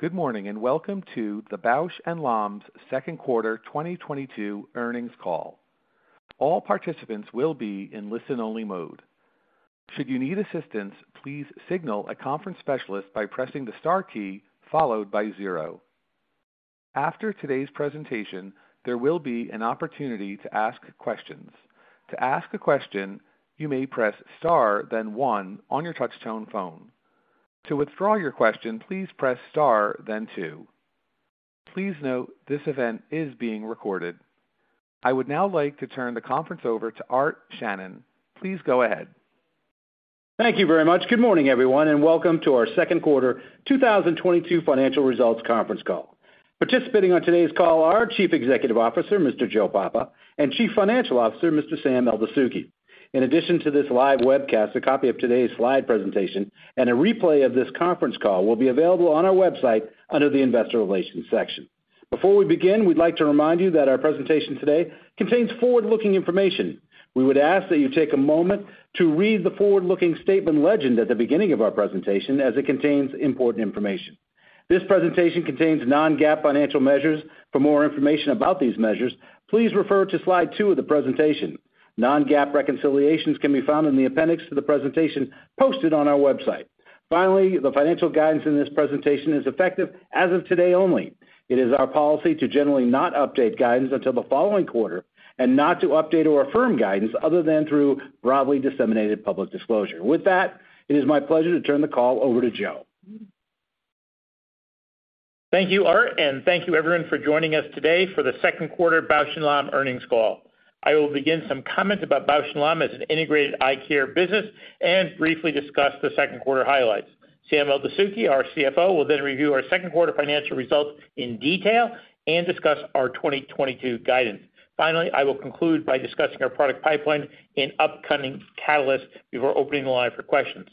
Good morning, and welcome to the Bausch + Lomb's Second Quarter 2022 Earnings Call. All participants will be in listen-only mode. Should you need assistance, please signal a conference specialist by pressing the star key followed by zero. After today's presentation, there will be an opportunity to ask questions. To ask a question, you may press star then one on your touchtone phone. To withdraw your question, please press star then two. Please note this event is being recorded. I would now like to turn the conference over to Art Shannon. Please go ahead. Thank you very much. Good morning, everyone, and welcome to our second quarter 2022 financial results conference call. Participating on today's call are our Chief Executive Officer, Mr. Joe Papa, and Chief Financial Officer, Mr. Sam Eldessouky. In addition to this live webcast, a copy of today's slide presentation and a replay of this conference call will be available on our website under the Investor Relations section. Before we begin, we'd like to remind you that our presentation today contains forward-looking information. We would ask that you take a moment to read the forward-looking statement legend at the beginning of our presentation, as it contains important information. This presentation contains non-GAAP financial measures. For more information about these measures, please refer to slide 2 of the presentation. Non-GAAP reconciliations can be found in the appendix to the presentation posted on our website. Finally, the financial guidance in this presentation is effective as of today only. It is our policy to generally not update guidance until the following quarter and not to update or affirm guidance other than through broadly disseminated public disclosure. With that, it is my pleasure to turn the call over to Joe. Thank you, Art, and thank you everyone for joining us today for the second quarter Bausch + Lomb earnings call. I will begin some comments about Bausch + Lomb as an integrated eye care business and briefly discuss the second quarter highlights. Sam Eldessouky, our CFO, will then review our second quarter financial results in detail and discuss our 2022 guidance. Finally, I will conclude by discussing our product pipeline and upcoming catalysts before opening the line for questions.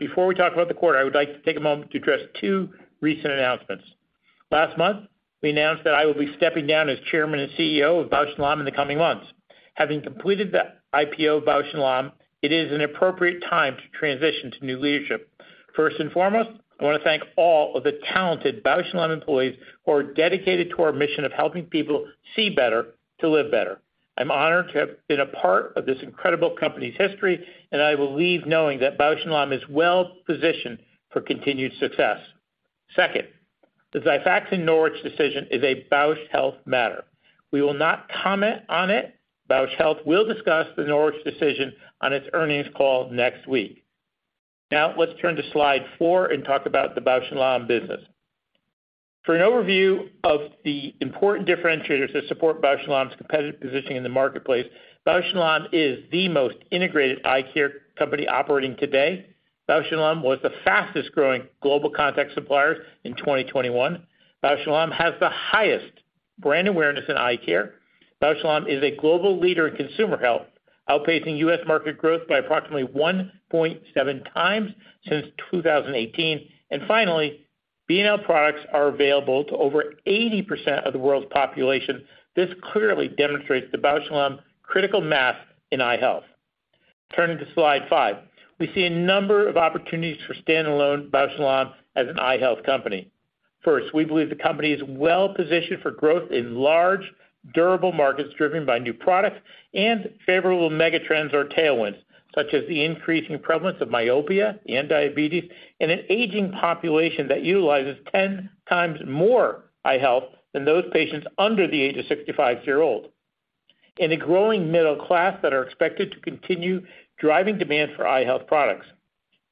Before we talk about the quarter, I would like to take a moment to address two recent announcements. Last month, we announced that I will be stepping down as Chairman and CEO of Bausch + Lomb in the coming months. Having completed the IPO of Bausch + Lomb, it is an appropriate time to transition to new leadership. First and foremost, I want to thank all of the talented Bausch + Lomb employees who are dedicated to our mission of helping people see better to live better. I'm honored to have been a part of this incredible company's history, and I will leave knowing that Bausch + Lomb is well positioned for continued success. Second, the Xifaxan Norwich decision is a Bausch Health matter. We will not comment on it. Bausch Health will discuss the Norwich decision on its earnings call next week. Now let's turn to slide 4 and talk about the Bausch + Lomb business. For an overview of the important differentiators that support Bausch + Lomb's competitive positioning in the marketplace, Bausch + Lomb is the most integrated eye care company operating today. Bausch + Lomb was the fastest growing global contact supplier in 2021. Bausch + Lomb has the highest brand awareness in eye care. Bausch + Lomb is a global leader in consumer health, outpacing US market growth by approximately 1.7x since 2018. Finally, B&L products are available to over 80% of the world's population. This clearly demonstrates the Bausch + Lomb critical mass in eye health. Turning to slide 5. We see a number of opportunities for standalone Bausch + Lomb as an eye health company. First, we believe the company is well positioned for growth in large, durable markets driven by new products and favorable megatrends or tailwinds, such as the increasing prevalence of myopia and diabetes in an aging population that utilizes 10x more eye health than those patients under the age of 65-year-old. In a growing middle class that are expected to continue driving demand for eye health products.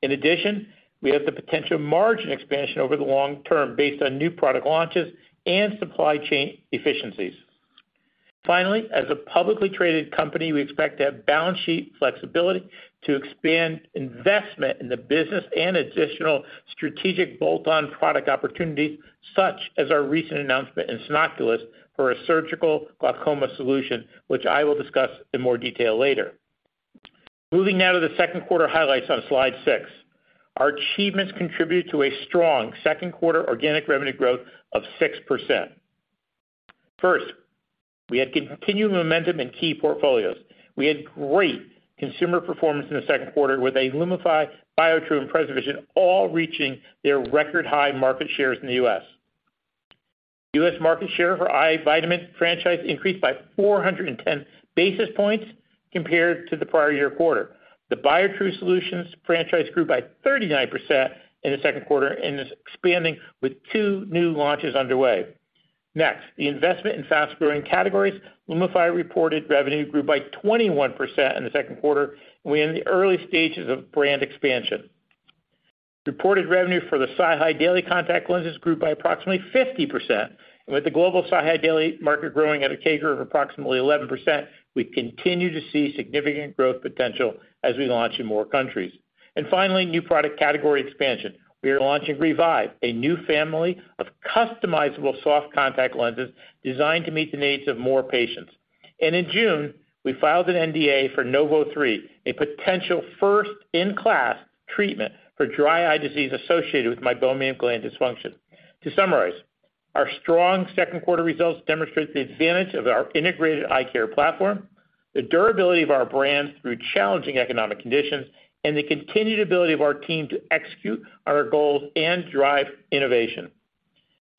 In addition, we have the potential margin expansion over the long term based on new product launches and supply chain efficiencies. Finally, as a publicly-traded company, we expect to have balance sheet flexibility to expand investment in the business and additional strategic bolt-on product opportunities, such as our recent announcement in Sanoculis for a surgical glaucoma solution, which I will discuss in more detail later. Moving now to the second quarter highlights on slide 6. Our achievements contribute to a strong second quarter organic revenue growth of 6%. First, we had continued momentum in key portfolios. We had great consumer performance in the second quarter with LUMIFY, Biotrue, and PreserVision all reaching their record high market shares in the U.S.. US market share for eye vitamin franchise increased by 410 basis points compared to the prior year quarter. The Biotrue solutions franchise grew by 39% in the second quarter and is expanding with two new launches underway. Next, the investment in fast-growing categories. LUMIFY reported revenue grew by 21% in the second quarter, and we're in the early stages of brand expansion. Reported revenue for the SiHy daily contact lenses grew by approximately 50%. With the global SiHy daily market growing at a CAGR of approximately 11%, we continue to see significant growth potential as we launch in more countries. Finally, new product category expansion. We are launching Revive, a new family of customizable soft contact lenses designed to meet the needs of more patients. In June, we filed an NDA for NOV03, a potential first-in-class treatment for dry eye disease associated with meibomian gland dysfunction. To summarize. Our strong second quarter results demonstrate the advantage of our integrated eye care platform, the durability of our brands through challenging economic conditions, and the continued ability of our team to execute our goals and drive innovation.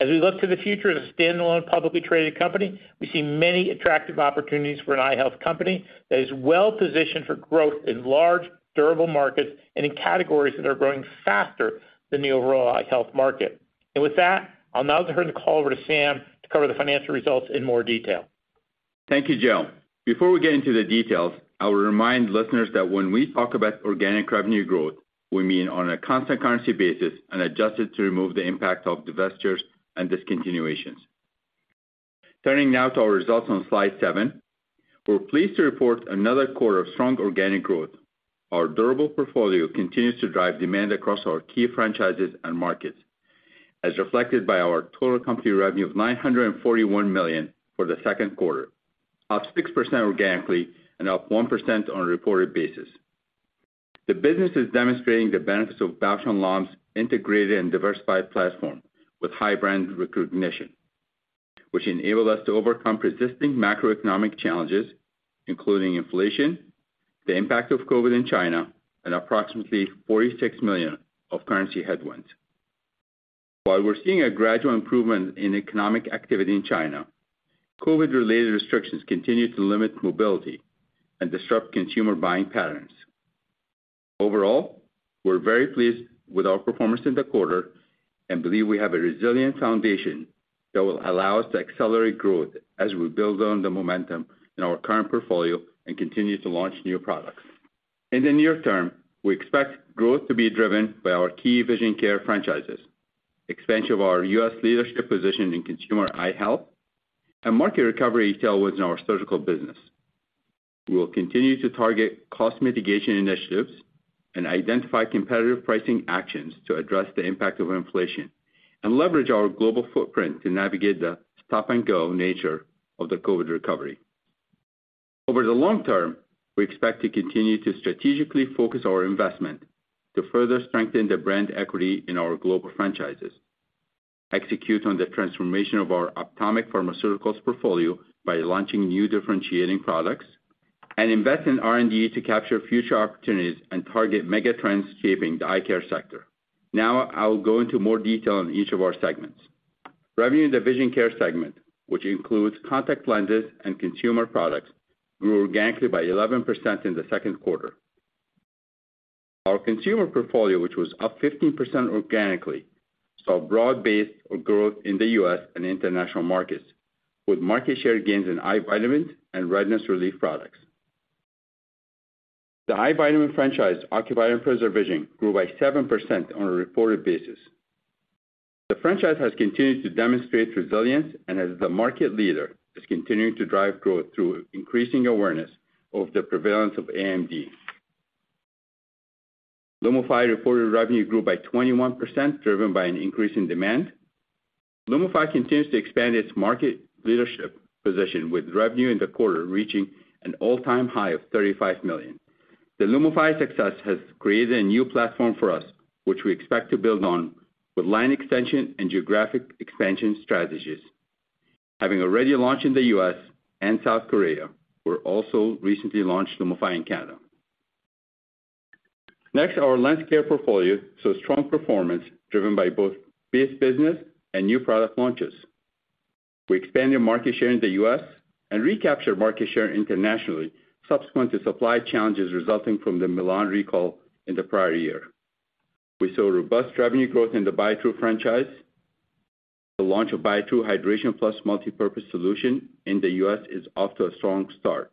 As we look to the future as a standalone publicly traded company, we see many attractive opportunities for an eye health company that is well-positioned for growth in large, durable markets and in categories that are growing faster than the overall eye health market. With that, I'll now turn the call over to Sam to cover the financial results in more detail. Thank you, Joe. Before we get into the details, I will remind listeners that when we talk about organic revenue growth, we mean on a constant currency basis and adjusted to remove the impact of divestitures and discontinuations. Turning now to our results on slide 7. We're pleased to report another quarter of strong organic growth. Our durable portfolio continues to drive demand across our key franchises and markets, as reflected by our total company revenue of $941 million for the second quarter, up 6% organically and up 1% on a reported basis. The business is demonstrating the benefits of Bausch + Lomb's integrated and diversified platform with high brand recognition, which enabled us to overcome persisting macroeconomic challenges, including inflation, the impact of COVID in China, and approximately $46 million of currency headwinds. While we're seeing a gradual improvement in economic activity in China, COVID-related restrictions continue to limit mobility and disrupt consumer buying patterns. Overall, we're very pleased with our performance in the quarter and believe we have a resilient foundation that will allow us to accelerate growth as we build on the momentum in our current portfolio and continue to launch new products. In the near term, we expect growth to be driven by our key vision care franchises, expansion of our U.S. leadership position in consumer eye health, and market recovery tailwinds in our surgical business. We will continue to target cost mitigation initiatives and identify competitive pricing actions to address the impact of inflation and leverage our global footprint to navigate the stop-and-go nature of the COVID recovery. Over the long term, we expect to continue to strategically focus our investment to further strengthen the brand equity in our global franchises, execute on the transformation of our Ophthalmic Pharmaceuticals portfolio by launching new differentiating products, and invest in R&D to capture future opportunities and target mega trends shaping the eye care sector. Now I will go into more detail on each of our segments. Revenue in the Vision Care segment, which includes contact lenses and consumer products, grew organically by 11% in the second quarter. Our consumer portfolio, which was up 15% organically, saw broad-based growth in the U.S. and international markets, with market share gains in eye vitamins and redness relief products. The eye vitamin franchise, Ocuvite and PreserVision, grew by 7% on a reported basis. The franchise has continued to demonstrate resilience and as the market leader, is continuing to drive growth through increasing awareness of the prevalence of AMD. LUMIFY reported revenue grew by 21%, driven by an increase in demand. LUMIFY continues to expand its market leadership position, with revenue in the quarter reaching an all-time high of $35 million. The LUMIFY success has created a new platform for us, which we expect to build on with line extension and geographic expansion strategies. Having already launched in the U.S. and South Korea, we're also recently launched LUMIFY in Canada. Next, our lens care portfolio saw strong performance, driven by both base business and new product launches. We expanded market share in the U.S. and recaptured market share internationally subsequent to supply challenges resulting from the Milan recall in the prior year. We saw robust revenue growth in the Biotrue franchise. The launch of Biotrue Hydration Plus multipurpose solution in the U.S. is off to a strong start.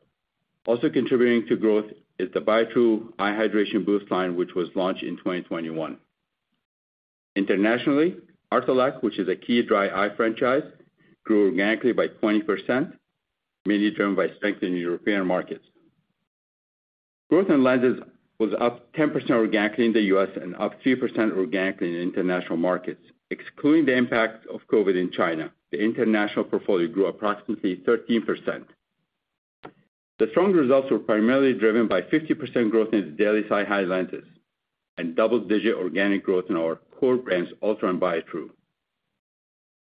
Also contributing to growth is the Biotrue Hydration Boost line, which was launched in 2021. Internationally, Artelac, which is a key dry eye franchise, grew organically by 20%, mainly driven by strength in European markets. Growth in lenses was up 10% organically in the U.S. and up 3% organically in international markets. Excluding the impact of COVID in China, the international portfolio grew approximately 13%. The strong results were primarily driven by 50% growth in the daily SiHy lenses and double-digit organic growth in our core brands, ULTRA and Biotrue.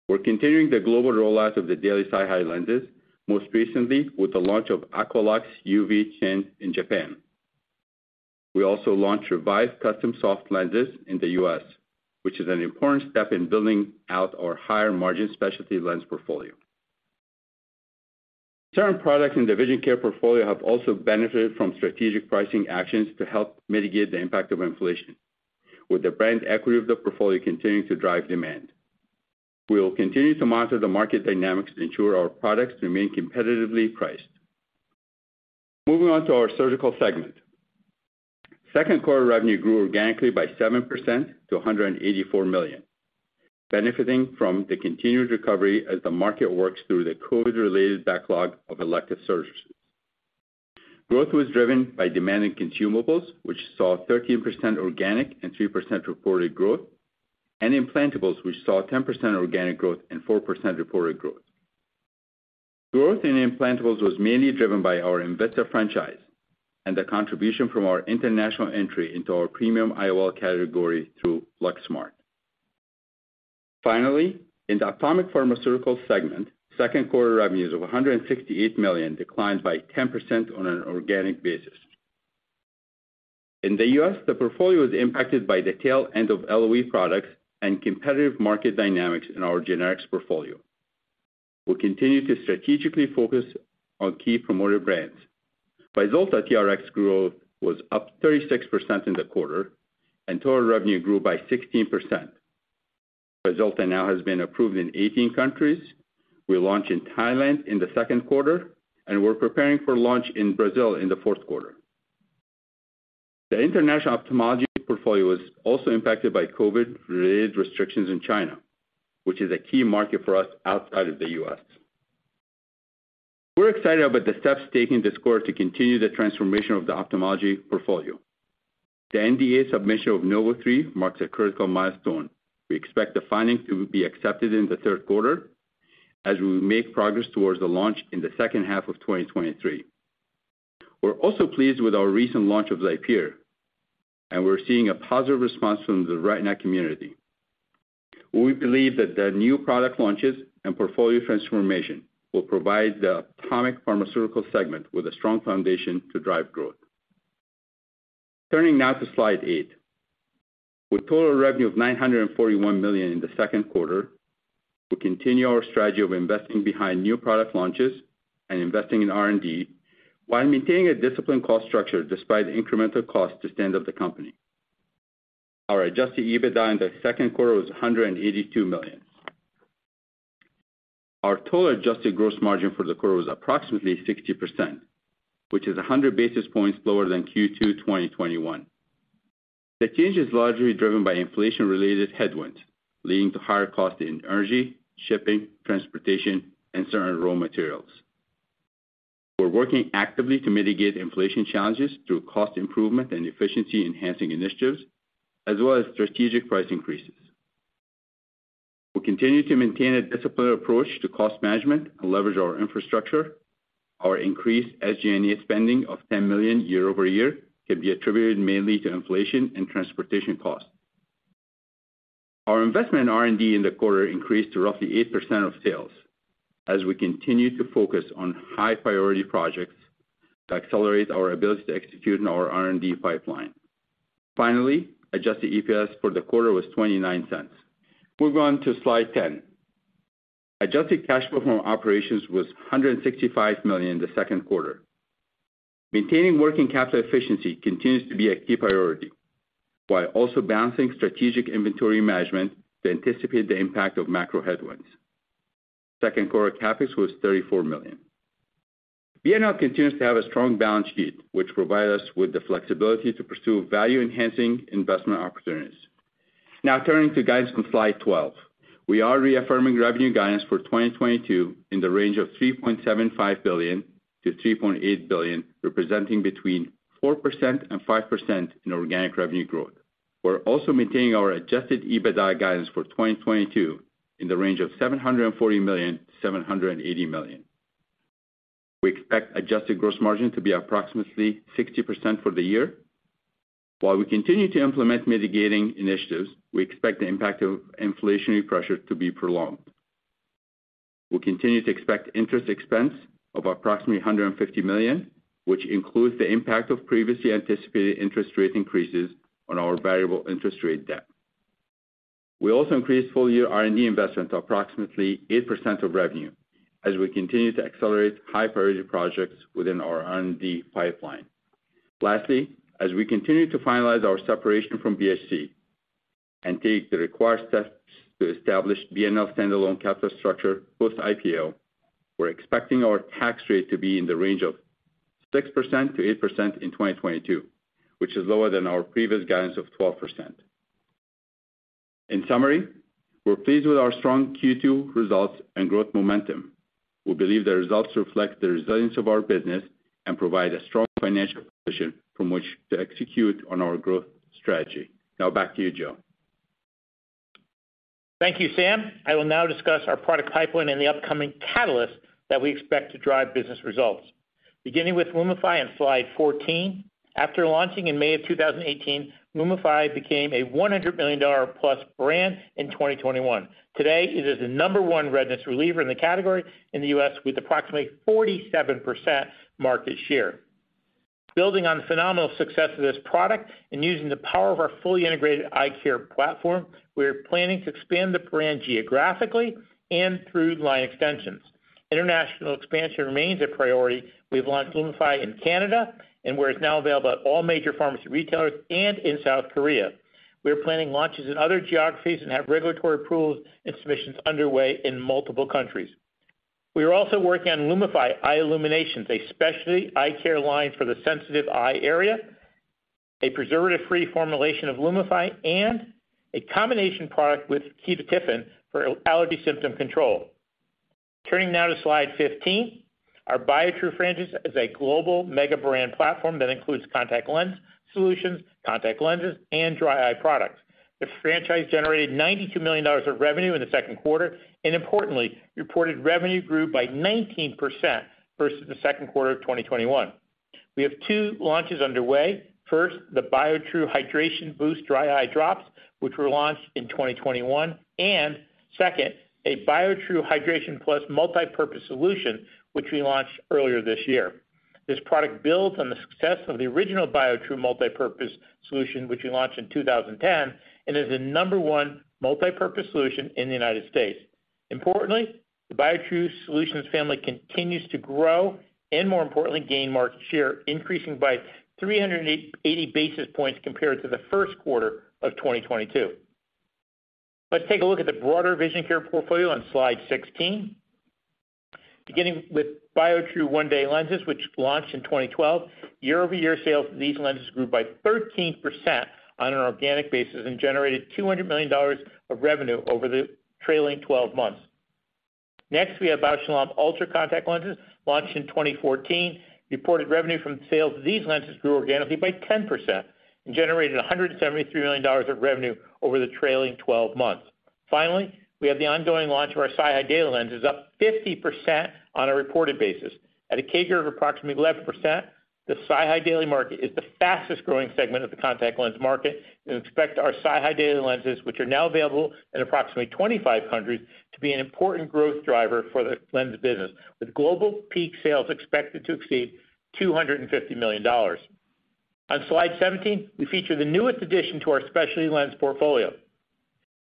We're continuing the global rollout of the daily SiHy lenses, most recently with the launch of Aqualox UV Shin in Japan. We also launched Revive custom soft lenses in the U.S., which is an important step in building out our higher margin specialty lens portfolio. Certain products in the vision care portfolio have also benefited from strategic pricing actions to help mitigate the impact of inflation, with the brand equity of the portfolio continuing to drive demand. We will continue to monitor the market dynamics to ensure our products remain competitively priced. Moving on to our surgical segment. Second quarter revenue grew organically by 7% to $184 million, benefiting from the continued recovery as the market works through the COVID-related backlog of elective surgeries. Growth was driven by demand in consumables, which saw 13% organic and 3% reported growth, and implantables, which saw 10% organic growth and 4% reported growth. Growth in implantables was mainly driven by our enVista franchise and the contribution from our international entry into our premium IOL category through LuxSmart. Finally, in the Ophthalmic Pharmaceuticals segment, second quarter revenues of $168 million declined by 10% on an organic basis. In the U.S., the portfolio was impacted by the tail end of LOE products and competitive market dynamics in our generics portfolio. We'll continue to strategically focus on key premium brands. VYZULTA TRX growth was up 36% in the quarter, and total revenue grew by 16%. VYZULTA now has been approved in 18 countries. We launched in Thailand in the second quarter, and we're preparing for launch in Brazil in the fourth quarter. The international ophthalmology portfolio was also impacted by COVID-related restrictions in China, which is a key market for us outside of the U.S. We're excited about the steps taken this quarter to continue the transformation of the ophthalmology portfolio. The NDA submission of NOV03 marks a critical milestone. We expect the filing to be accepted in the third quarter as we make progress towards the launch in the second half of 2023. We're also pleased with our recent launch of XIPERE, and we're seeing a positive response from the retina community. We believe that the new product launches and portfolio transformation will provide the Ophthalmic Pharmaceuticals segment with a strong foundation to drive growth. Turning now to slide 8. With total revenue of $941 million in the second quarter, we continue our strategy of investing behind new product launches and investing in R&D, while maintaining a disciplined cost structure despite incremental costs to stand up the company. Our Adjusted EBITDA in the second quarter was $182 million. Our total adjusted gross margin for the quarter was approximately 60%, which is 100 basis points lower than Q2 2021. The change is largely driven by inflation-related headwinds, leading to higher costs in energy, shipping, transportation, and certain raw materials. We're working actively to mitigate inflation challenges through cost improvement and efficiency-enhancing initiatives, as well as strategic price increases. We'll continue to maintain a disciplined approach to cost management and leverage our infrastructure. Our increased SG&A spending of $10 million year-over-year can be attributed mainly to inflation and transportation costs. Our investment in R&D in the quarter increased to roughly 8% of sales as we continue to focus on high-priority projects to accelerate our ability to execute on our R&D pipeline. Adjusted EPS for the quarter was $0.29. Moving on to slide 10. Adjusted cash flow from operations was $165 million in the second quarter. Maintaining working capital efficiency continues to be a key priority, while also balancing strategic inventory management to anticipate the impact of macro headwinds. Second quarter CapEx was $34 million. B&L continues to have a strong balance sheet, which provide us with the flexibility to pursue value-enhancing investment opportunities. Now turning to guidance on slide twelve. We are reaffirming revenue guidance for 2022 in the range of $3.75 billion-$3.8 billion, representing between 4% and 5% in organic revenue growth. We're also maintaining our Adjusted EBITDA guidance for 2022 in the range of $740 million-$780 million. We expect adjusted gross margin to be approximately 60% for the year. While we continue to implement mitigating initiatives, we expect the impact of inflationary pressure to be prolonged. We continue to expect interest expense of approximately $150 million, which includes the impact of previously anticipated interest rate increases on our variable interest rate debt. We also increased full year R&D investment to approximately 8% of revenue as we continue to accelerate high-priority projects within our R&D pipeline. Lastly, as we continue to finalize our separation from BHC and take the required steps to establish B&L standalone capital structure post-IPO, we're expecting our tax rate to be in the range of 6%-8% in 2022, which is lower than our previous guidance of 12%. In summary, we're pleased with our strong Q2 results and growth momentum. We believe the results reflect the resilience of our business and provide a strong financial position from which to execute on our growth strategy. Now back to you, Joe. Thank you, Sam. I will now discuss our product pipeline and the upcoming catalyst that we expect to drive business results. Beginning with LUMIFY on slide 14. After launching in May 2018, LUMIFY became a $100 million-plus brand in 2021. Today, it is the number one redness reliever in the category in the U.S. with approximately 47% market share. Building on the phenomenal success of this product and using the power of our fully integrated eye care platform, we are planning to expand the brand geographically and through line extensions. International expansion remains a priority. We've launched LUMIFY in Canada, where it's now available at all major pharmacy retailers, and in South Korea. We are planning launches in other geographies and have regulatory approvals and submissions underway in multiple countries. We are also working on LUMIFY eye illuminations, a specialty eye care line for the sensitive eye area, a preservative-free formulation of LUMIFY, and a combination product with ketotifen for allergy symptom control. Turning now to slide 15. Our Biotrue franchise is a global mega brand platform that includes contact lens solutions, contact lenses, and dry eye products. This franchise generated $92 million of revenue in the second quarter, and importantly, reported revenue grew by 19% versus the second quarter of 2021. We have two launches underway. First, the Biotrue Hydration Boost dry eye drops, which were launched in 2021. Second, a Biotrue Hydration Plus multipurpose solution, which we launched earlier this year. This product builds on the success of the original Biotrue multipurpose solution, which we launched in 2010, and is the number one multipurpose solution in the United States. Importantly, the Biotrue solutions family continues to grow and more importantly, gain market share, increasing by 380 basis points compared to the first quarter of 2022. Let's take a look at the broader vision care portfolio on slide 16. Beginning with Biotrue one-day lenses, which launched in 2012. Year-over-year sales of these lenses grew by 13% on an organic basis and generated $200 million of revenue over the trailing twelve months. Next, we have Bausch + Lomb ULTRA contact lenses launched in 2014. Reported revenue from sales of these lenses grew organically by 10% and generated $173 million of revenue over the trailing twelve months. Finally, we have the ongoing launch of our SiHy daily lenses, up 50% on a reported basis. At a CAGR of approximately 11%, the SiHy daily market is the fastest growing segment of the contact lens market and expect our SiHy daily lenses, which are now available at approximately 2,500, to be an important growth driver for the lens business, with global peak sales expected to exceed $250 million. On slide 17, we feature the newest addition to our specialty lens portfolio.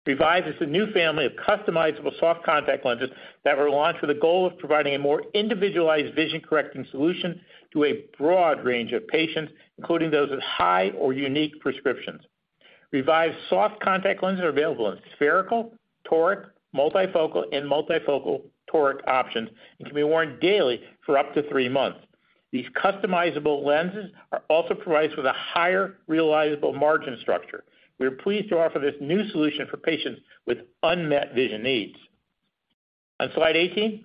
Revive is a new family of customizable soft contact lenses that were launched with a goal of providing a more individualized vision correcting solution to a broad range of patients, including those with high or unique prescriptions. Revive soft contact lenses are available in spherical, toric, multifocal, and multifocal toric options and can be worn daily for up to three months. These customizable lenses are also priced with a higher realizable margin structure. We are pleased to offer this new solution for patients with unmet vision needs. On slide 18,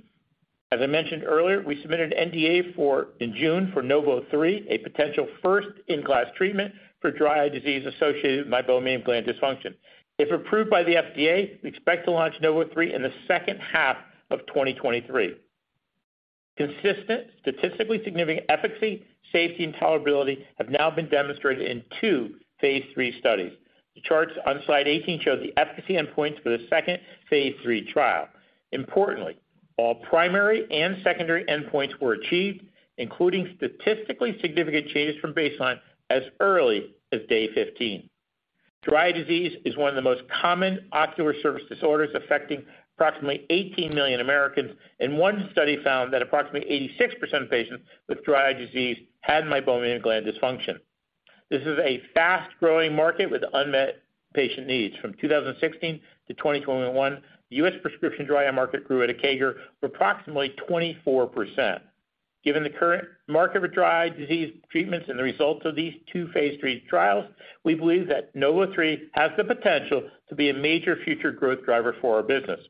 as I mentioned earlier, we submitted an NDA in June for NOV03, a potential first-in-class treatment for dry eye disease associated with meibomian gland dysfunction. If approved by the FDA, we expect to launch NOV03 in the second half of 2023. Consistent, statistically significant efficacy, safety, and tolerability have now been demonstrated in two phase III studies. The charts on slide 18 show the efficacy endpoints for the second phase III trial. Importantly, all primary and secondary endpoints were achieved, including statistically significant changes from baseline as early as day 15. Dry eye disease is one of the most common ocular surface disorders, affecting approximately 18 million Americans, and one study found that approximately 86% of patients with dry eye disease had meibomian gland dysfunction. This is a fast-growing market with unmet patient needs. From 2016 to 2021, the U.S. prescription dry eye market grew at a CAGR of approximately 24%. Given the current market for dry eye disease treatments and the results of these two phase III trials, we believe that NOV03 has the potential to be a major future growth driver for our business.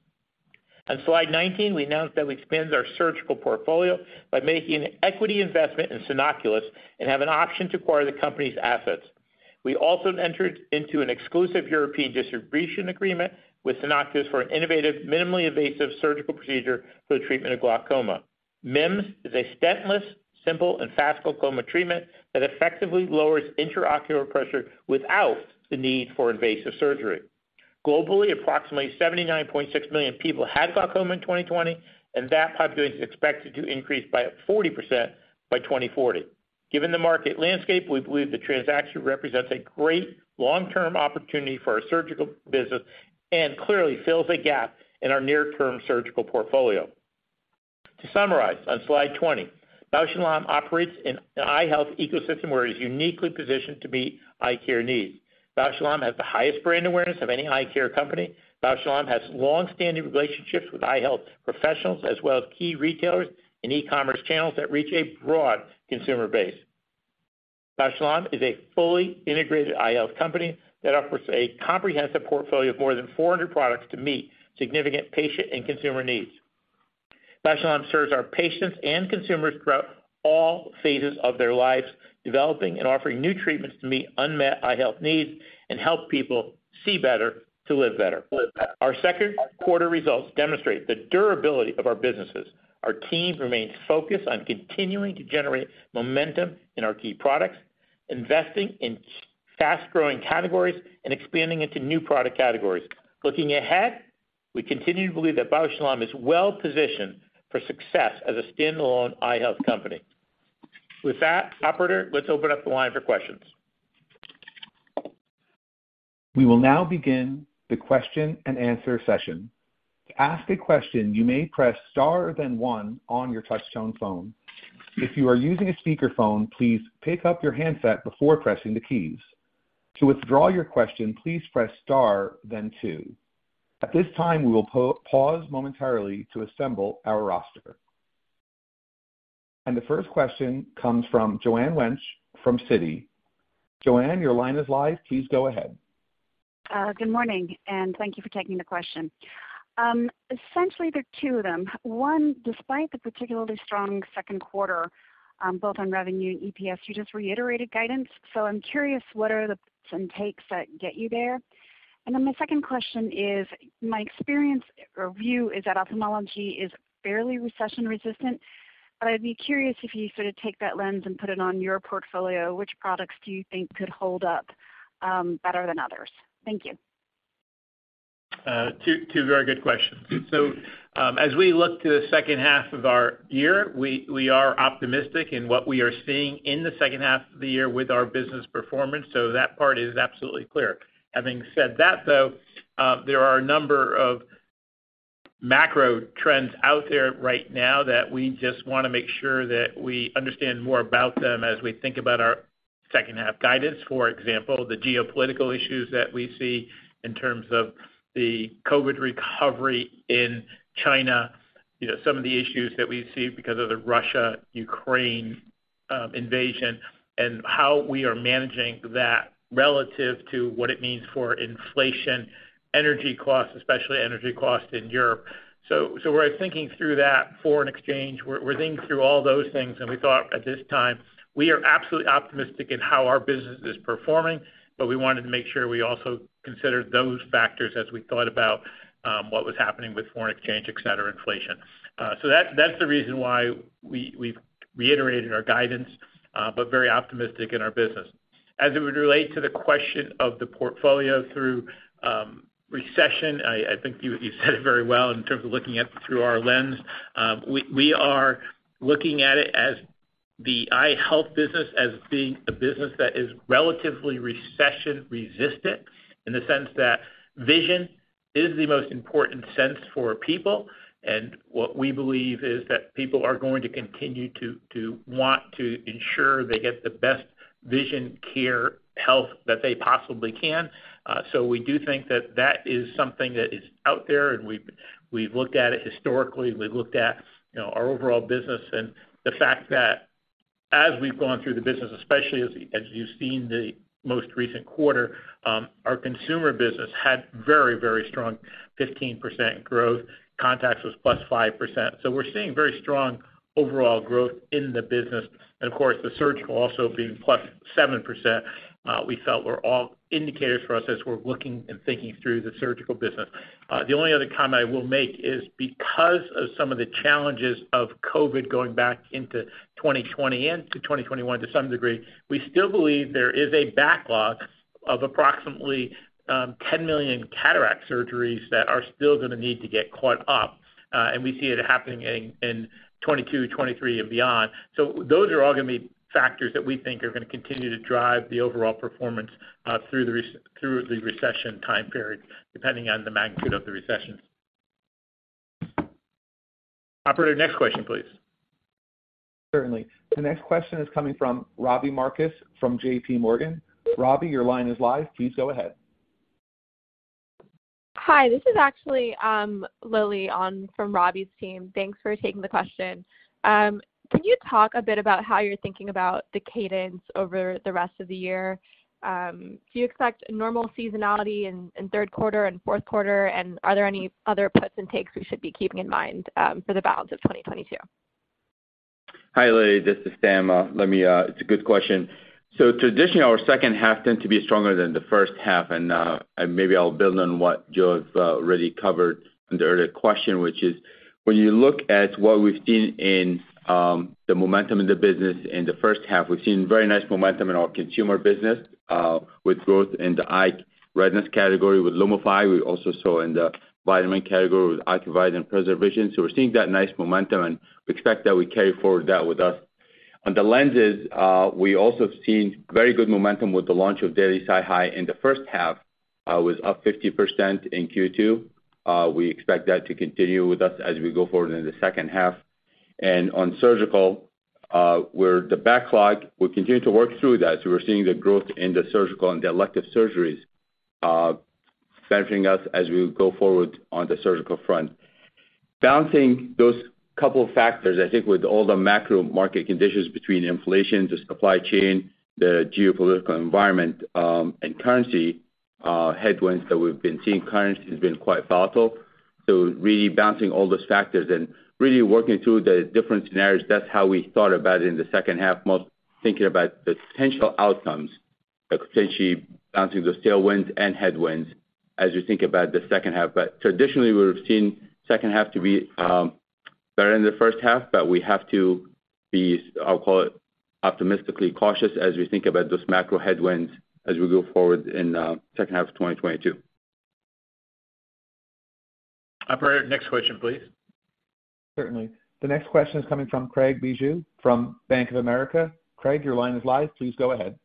On slide 19, we announced that we expanded our surgical portfolio by making an equity investment in Sanoculis and have an option to acquire the company's assets. We also entered into an exclusive European distribution agreement with Sanoculis for an innovative, minimally invasive surgical procedure for the treatment of glaucoma. MIMS is a stentless, simple, and fast glaucoma treatment that effectively lowers intraocular pressure without the need for invasive surgery. Globally, approximately 79.6 million people had glaucoma in 2020, and that population is expected to increase by 40% by 2040. Given the market landscape, we believe the transaction represents a great long-term opportunity for our surgical business and clearly fills a gap in our near-term surgical portfolio. To summarize, on slide 20, Bausch + Lomb operates in an eye health ecosystem where it is uniquely positioned to meet eye care needs. Bausch + Lomb has the highest brand awareness of any eye care company. Bausch + Lomb has long-standing relationships with eye health professionals as well as key retailers and e-commerce channels that reach a broad consumer base. Bausch + Lomb is a fully integrated eye health company that offers a comprehensive portfolio of more than 400 products to meet significant patient and consumer needs. Bausch + Lomb serves our patients and consumers throughout all phases of their lives, developing and offering new treatments to meet unmet eye health needs and help people see better to live better. Our second quarter results demonstrate the durability of our businesses. Our teams remain focused on continuing to generate momentum in our key products, investing in fast-growing categories, and expanding into new product categories. Looking ahead, we continue to believe that Bausch + Lomb is well positioned for success as a standalone eye health company. With that, operator, let's open up the line for questions. We will now begin the question and answer session. To ask a question, you may press star then one on your touchtone phone. If you are using a speakerphone, please pick up your handset before pressing the keys. To withdraw your question, please press star then two. At this time, we will pause momentarily to assemble our roster. The first question comes from Joanne Wuensch from Citi. Joanne, your line is live. Please go ahead. Good morning, and thank you for taking the question. Essentially, there are two of them. One, despite the particularly strong second quarter, both on revenue and EPS, you just reiterated guidance. I'm curious, what are the puts and takes that get you there? Then my second question is, my experience or view is that ophthalmology is fairly recession-resistant. I'd be curious if you sort of take that lens and put it on your portfolio, which products do you think could hold up, better than others? Thank you. Two very good questions. As we look to the second half of our year, we are optimistic in what we are seeing in the second half of the year with our business performance. That part is absolutely clear. Having said that, though, there are a number of macro trends out there right now that we just wanna make sure that we understand more about them as we think about our second half guidance. For example, the geopolitical issues that we see in terms of the COVID recovery in China. You know, some of the issues that we see because of the Russia/Ukraine invasion, and how we are managing that relative to what it means for inflation, energy costs, especially energy costs in Europe. We're thinking through that foreign exchange. We're thinking through all those things, and we thought at this time we are absolutely optimistic in how our business is performing, but we wanted to make sure we also considered those factors as we thought about what was happening with foreign exchange, et cetera, inflation. That's the reason why we've reiterated our guidance, but very optimistic in our business. As it would relate to the question of the portfolio through recession, I think you said it very well in terms of looking at it through our lens. We are looking at it as the eye health business as being a business that is relatively recession resistant in the sense that vision is the most important sense for people, and what we believe is that people are going to continue to want to ensure they get the best vision care health that they possibly can. We do think that that is something that is out there, and we've looked at it historically. We've looked at you know, our overall business and the fact that as we've gone through the business, especially as you've seen the most recent quarter, our consumer business had very, very strong 15% growth. Contacts was plus 5%. We're seeing very strong overall growth in the business. Of course, the surgical also being plus 7%, we felt were all indicators for us as we're looking and thinking through the surgical business. The only other comment I will make is because of some of the challenges of COVID going back into 2020 and to 2021 to some degree, we still believe there is a backlog of approximately 10 million cataract surgeries that are still gonna need to get caught up. And we see it happening in 2022, 2023 and beyond. So those are all gonna be factors that we think are gonna continue to drive the overall performance through the recession time period, depending on the magnitude of the recession. Operator, next question, please. Certainly. The next question is coming from Robbie Marcus from J.P. Morgan. Robbie, your line is live. Please go ahead. Hi, this is actually Lily from Robbie's team. Thanks for taking the question. Can you talk a bit about how you're thinking about the cadence over the rest of the year? Do you expect normal seasonality in third quarter and fourth quarter, and are there any other puts and takes we should be keeping in mind for the balance of 2022? Hi, Lily. This is Sam. It's a good question. Traditionally, our second half tend to be stronger than the first half, and maybe I'll build on what Joe has already covered in the earlier question, which is when you look at what we've seen in the momentum in the business in the first half, we've seen very nice momentum in our consumer business with growth in the eye redness category with LUMIFY. We also saw in the vitamin category with Ocuvite and PreserVision. We're seeing that nice momentum, and we expect that we carry forward that with us. On the lenses, we also have seen very good momentum with the launch of daily SiHy in the first half, was up 50% in Q2. We expect that to continue with us as we go forward into the second half. On surgical, where the backlog, we're continuing to work through that. We're seeing the growth in the surgical and the elective surgeries, benefiting us as we go forward on the surgical front. Balancing those couple factors, I think with all the macro market conditions between inflation, the supply chain, the geopolitical environment, and currency headwinds that we've been seeing, currency has been quite volatile. Really balancing all those factors and really working through the different scenarios, that's how we thought about it in the second half, most thinking about the potential outcomes of potentially balancing the tailwinds and headwinds as you think about the second half. Traditionally, we've seen second half to be better than the first half, but we have to be, I'll call it optimistically cautious as we think about those macro headwinds as we go forward in second half of 2022. Operator, next question, please. Certainly. The next question is coming from Craig Bijou from Bank of America. Craig, your line is live. Please go ahead.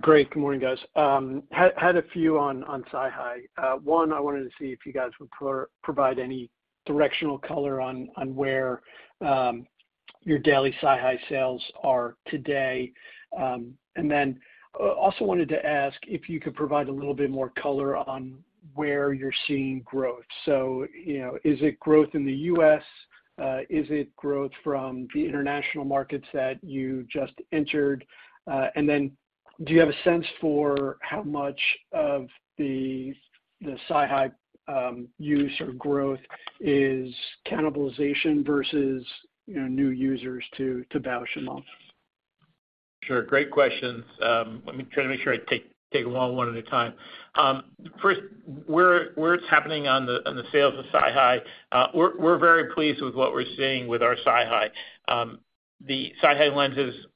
Great. Good morning, guys. Had a few on SiHy. I wanted to see if you guys would provide any directional color on where your daily SiHy sales are today. Also wanted to ask if you could provide a little bit more color on where you're seeing growth. You know, is it growth in the U.S.? Is it growth from the international markets that you just entered? Do you have a sense for how much of the SiHy use or growth is cannibalization versus, you know, new users to Bausch + Lomb? Sure. Great questions. Let me try to make sure I take them all one at a time. First, where it's happening on the sales of SiHy, we're very pleased with what we're seeing with our SiHy. The SiHy lenses,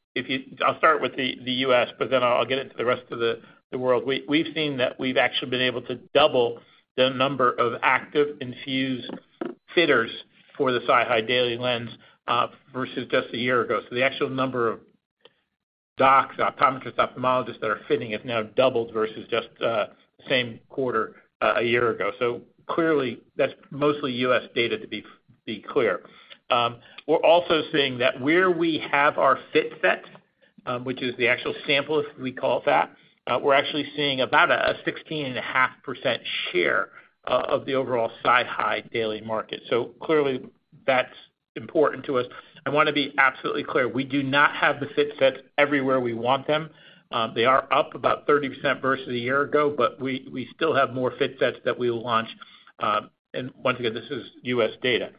I'll start with the U.S., but then I'll get into the rest of the world. We've seen that we've actually been able to double the number of active INFUSE fitters for the SiHy daily lens versus just a year ago. The actual number of docs, optometrists, ophthalmologists that are fitting has now doubled versus just same quarter a year ago. Clearly, that's mostly U.S. data, to be clear. We're also seeing that where we have our fit set, which is the actual sample, as we call that, we're actually seeing about a 16.5% share of the overall SiHy daily market. Clearly, that's important to us. I wanna be absolutely clear, we do not have the fit sets everywhere we want them. They are up about 30% versus a year ago, but we still have more fit sets that we will launch. Once again, this is U.S. data.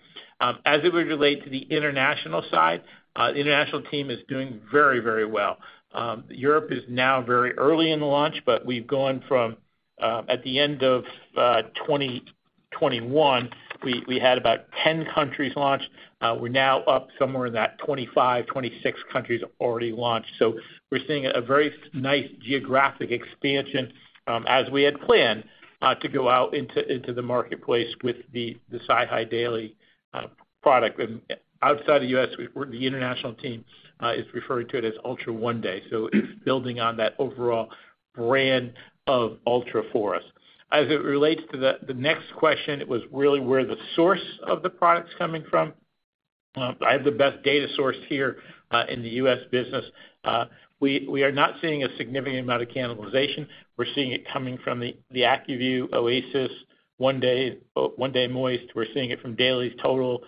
As it would relate to the international side, the international team is doing very, very well. Europe is now very early in the launch, but we've gone from, at the end of 2021, we had about 10 countries launch. We're now up somewhere in that 25, 26 countries already launched. We're seeing a very nice geographic expansion, as we had planned, to go out into the marketplace with the SiHy daily product. Outside the U.S., the international team is referring to it as ULTRA ONE DAY, so building on that overall brand of ULTRA for us. As it relates to the next question, it was really where the source of the product's coming from. I have the best data source here in the U.S. business. We are not seeing a significant amount of cannibalization. We're seeing it coming from the ACUVUE OASYS 1-Day, 1-Day ACUVUE Moist. We're seeing it from Dailies Total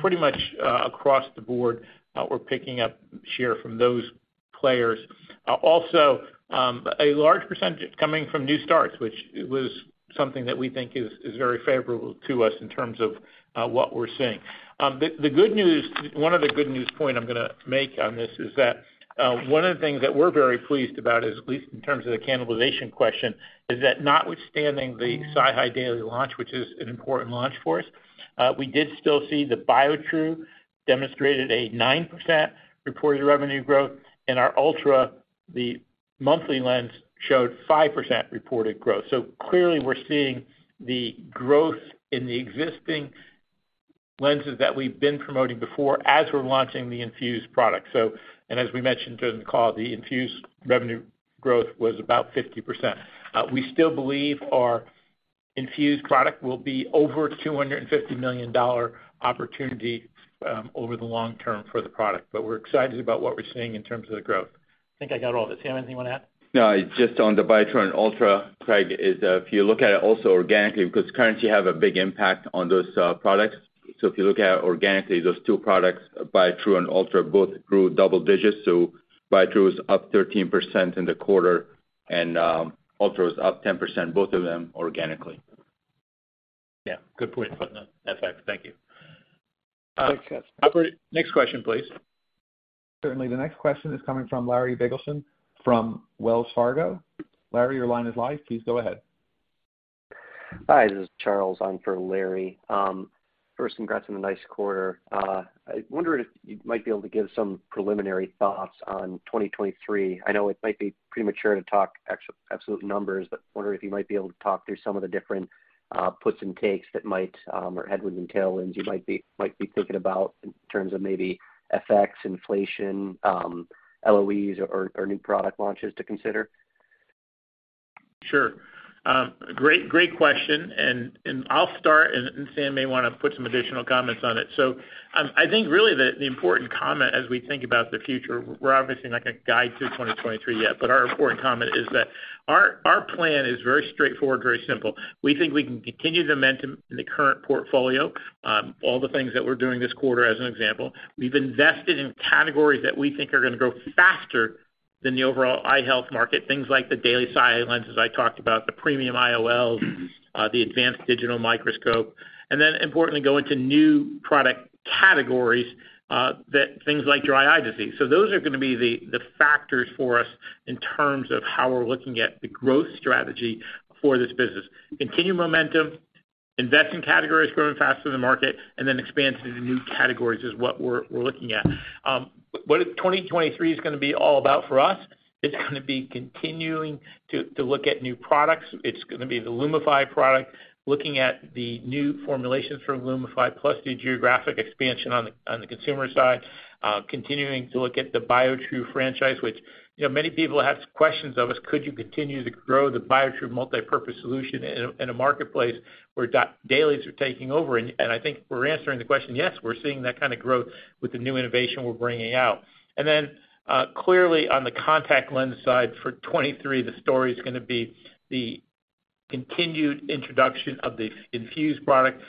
pretty much across the board, we're picking up share from those players. Also, a large percentage coming from new starts, which was something that we think is very favorable to us in terms of what we're seeing. The good news, one of the good news point I'm gonna make on this is that one of the things that we're very pleased about is, at least in terms of the cannibalization question, that notwithstanding the SiHy Daily launch, which is an important launch for us, we did still see the Biotrue demonstrated a 9% reported revenue growth, and our ULTRA, the monthly lens, showed 5% reported growth. Clearly, we're seeing the growth in the existing lenses that we've been promoting before as we're launching the INFUSE product. As we mentioned during the call, the INFUSE revenue growth was about 50%. We still believe our INFUSE product will be over $250 million opportunity over the long term for the product, but we're excited about what we're seeing in terms of the growth. I think I got all this. Sam, anything you wanna add? No, just on the Biotrue and ULTRA, Craig, if you look at it also organically, because currently you have a big impact on those products. If you look at it organically, those two products, Biotrue and ULTRA, both grew double digits. Biotrue is up 13% in the quarter, and ULTRA is up 10%, both of them organically. Yeah. Good point putting that fact. Thank you. Operator, next question, please. Certainly. The next question is coming from Larry Biegelsen from Wells Fargo. Larry, your line is live. Please go ahead. Hi, this is Charles on for Larry. First, congrats on a nice quarter. I wonder if you might be able to give some preliminary thoughts on 2023. I know it might be premature to talk about absolute numbers, but I wonder if you might be able to talk through some of the different puts and takes that might or headwinds and tailwinds you might be thinking about in terms of maybe FX, inflation, LOE or new product launches to consider. Sure. Great question, and I'll start, and Sam may wanna put some additional comments on it. I think really the important comment as we think about the future, we're obviously not gonna guide through 2023 yet, our important comment is that our plan is very straightforward, very simple. We think we can continue the momentum in the current portfolio, all the things that we're doing this quarter as an example. We've invested in categories that we think are gonna grow faster than the overall eye health market, things like the daily SiHy lenses I talked about, the premium IOLs, the advanced digital microscope, and then importantly, go into new product categories, that things like dry eye disease. Those are gonna be the factors for us in terms of how we're looking at the growth strategy for this business. Continue momentum, invest in categories growing faster than market, and then expand into new categories is what we're looking at. What is 2023 gonna be all about for us, it's gonna be continuing to look at new products. It's gonna be the LUMIFY product, looking at the new formulations for LUMIFY, plus the geographic expansion on the consumer side, continuing to look at the Biotrue franchise, which, you know, many people have questions of us, could you continue to grow the Biotrue multipurpose solution in a marketplace where dailies are taking over? I think we're answering the question, yes, we're seeing that kind of growth with the new innovation we're bringing out. Clearly on the contact lens side for 2023, the story's gonna be the continued introduction of the INFUSE product.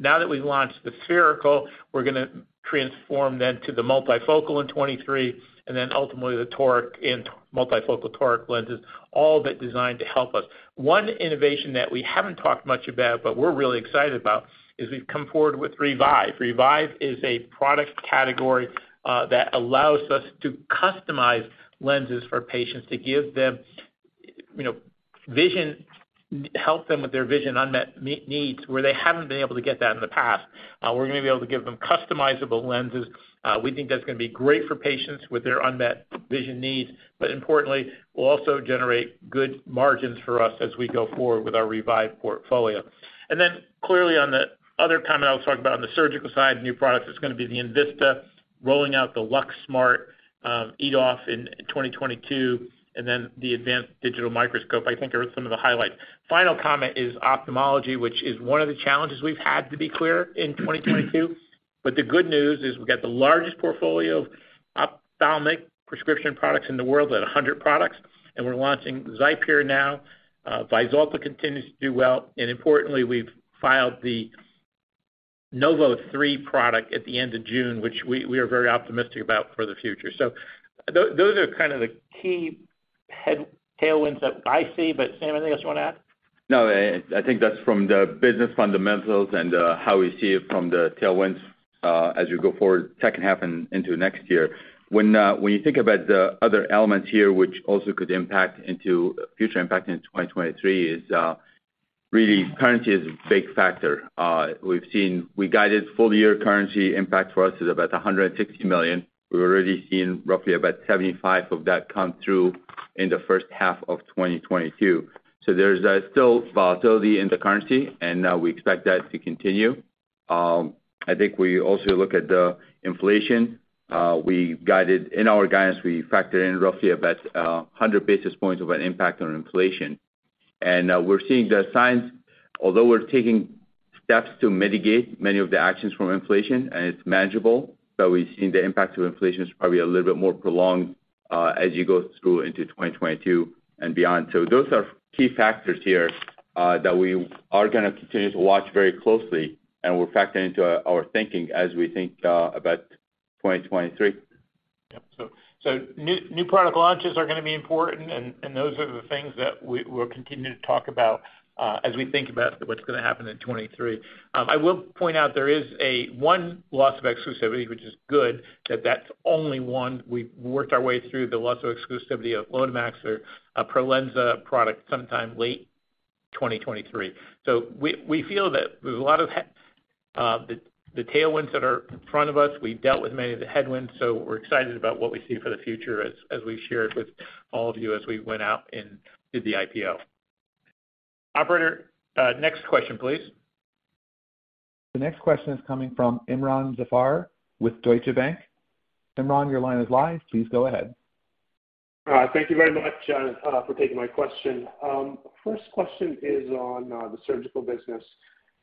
Now that we've launched the spherical, we're gonna transform then to the multifocal in 2023, and then ultimately the toric and multifocal toric lenses, all of it designed to help us. One innovation that we haven't talked much about, but we're really excited about is we've come forward with Revive. Revive is a product category that allows us to customize lenses for patients to give them, you know, help them with their vision unmet needs where they haven't been able to get that in the past. We're gonna be able to give them customizable lenses. We think that's gonna be great for patients with their unmet vision needs, but importantly will also generate good margins for us as we go forward with our Revive portfolio. Clearly on the other comment I was talking about on the surgical side, new products, it's gonna be the enVista, rolling out the LuxSmart, EDOF in 2022, and then the advanced digital microscope. I think are some of the highlights. Final comment is ophthalmology, which is one of the challenges we've had to be clear in 2022. The good news is we've got the largest portfolio of ophthalmic prescription products in the world at 100 products, and we're launching XIPERE now. VYZULTA continues to do well. Importantly, we've filed the NOV03 product at the end of June, which we are very optimistic about for the future. Those are kind of the key tailwinds that I see. Sam, anything else you wanna add? No, I think that's from the business fundamentals and how we see it from the tailwinds as you go forward second half and into next year. When you think about the other elements here, which also could impact into 2023 is really currency is a big factor. We guided full year currency impact for us is about $160 million. We've already seen roughly about 75 of that come through in the first half of 2022. There's still volatility in the currency, and we expect that to continue. I think we also look at the inflation. In our guidance, we factored in roughly about 100 basis points of an impact on inflation. We're seeing the signs, although we're taking steps to mitigate many of the actions from inflation, and it's manageable, but we've seen the impact of inflation is probably a little bit more prolonged as you go through into 2022 and beyond. Those are key factors here that we are gonna continue to watch very closely, and we're factoring into our thinking as we think about 2023. Yep. New product launches are gonna be important and those are the things that we'll continue to talk about as we think about what's gonna happen in 2023. I will point out there is one loss of exclusivity, which is good that's only one. We've worked our way through the loss of exclusivity of LOTEMAX or PROLENSA product sometime late 2023. We feel that there's a lot of the tailwinds that are in front of us, we've dealt with many of the headwinds, so we're excited about what we see for the future as we've shared with all of you as we went out and did the IPO. Operator, next question, please. The next question is coming from Imron Zafar with Deutsche Bank. Imron, your line is live. Please go ahead. All right. Thank you very much for taking my question. First question is on the surgical business.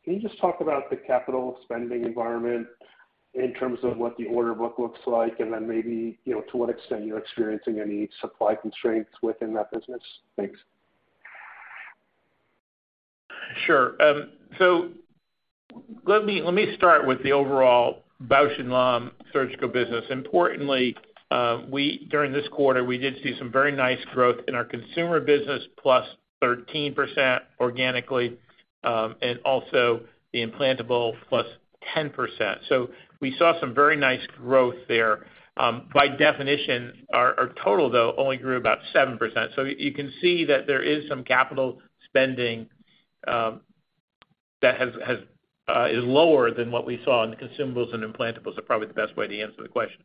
Can you just talk about the capital spending environment in terms of what the order book looks like and then maybe, you know, to what extent you're experiencing any supply constraints within that business? Thanks. Sure. Let me start with the overall Bausch + Lomb surgical business. Importantly, during this quarter, we did see some very nice growth in our consumer business, plus 13% organically, and also the implantable plus 10%. We saw some very nice growth there. By definition, our total though only grew about 7%. You can see that there is some capital spending that is lower than what we saw in the consumables and implantable, so probably the best way to answer the question.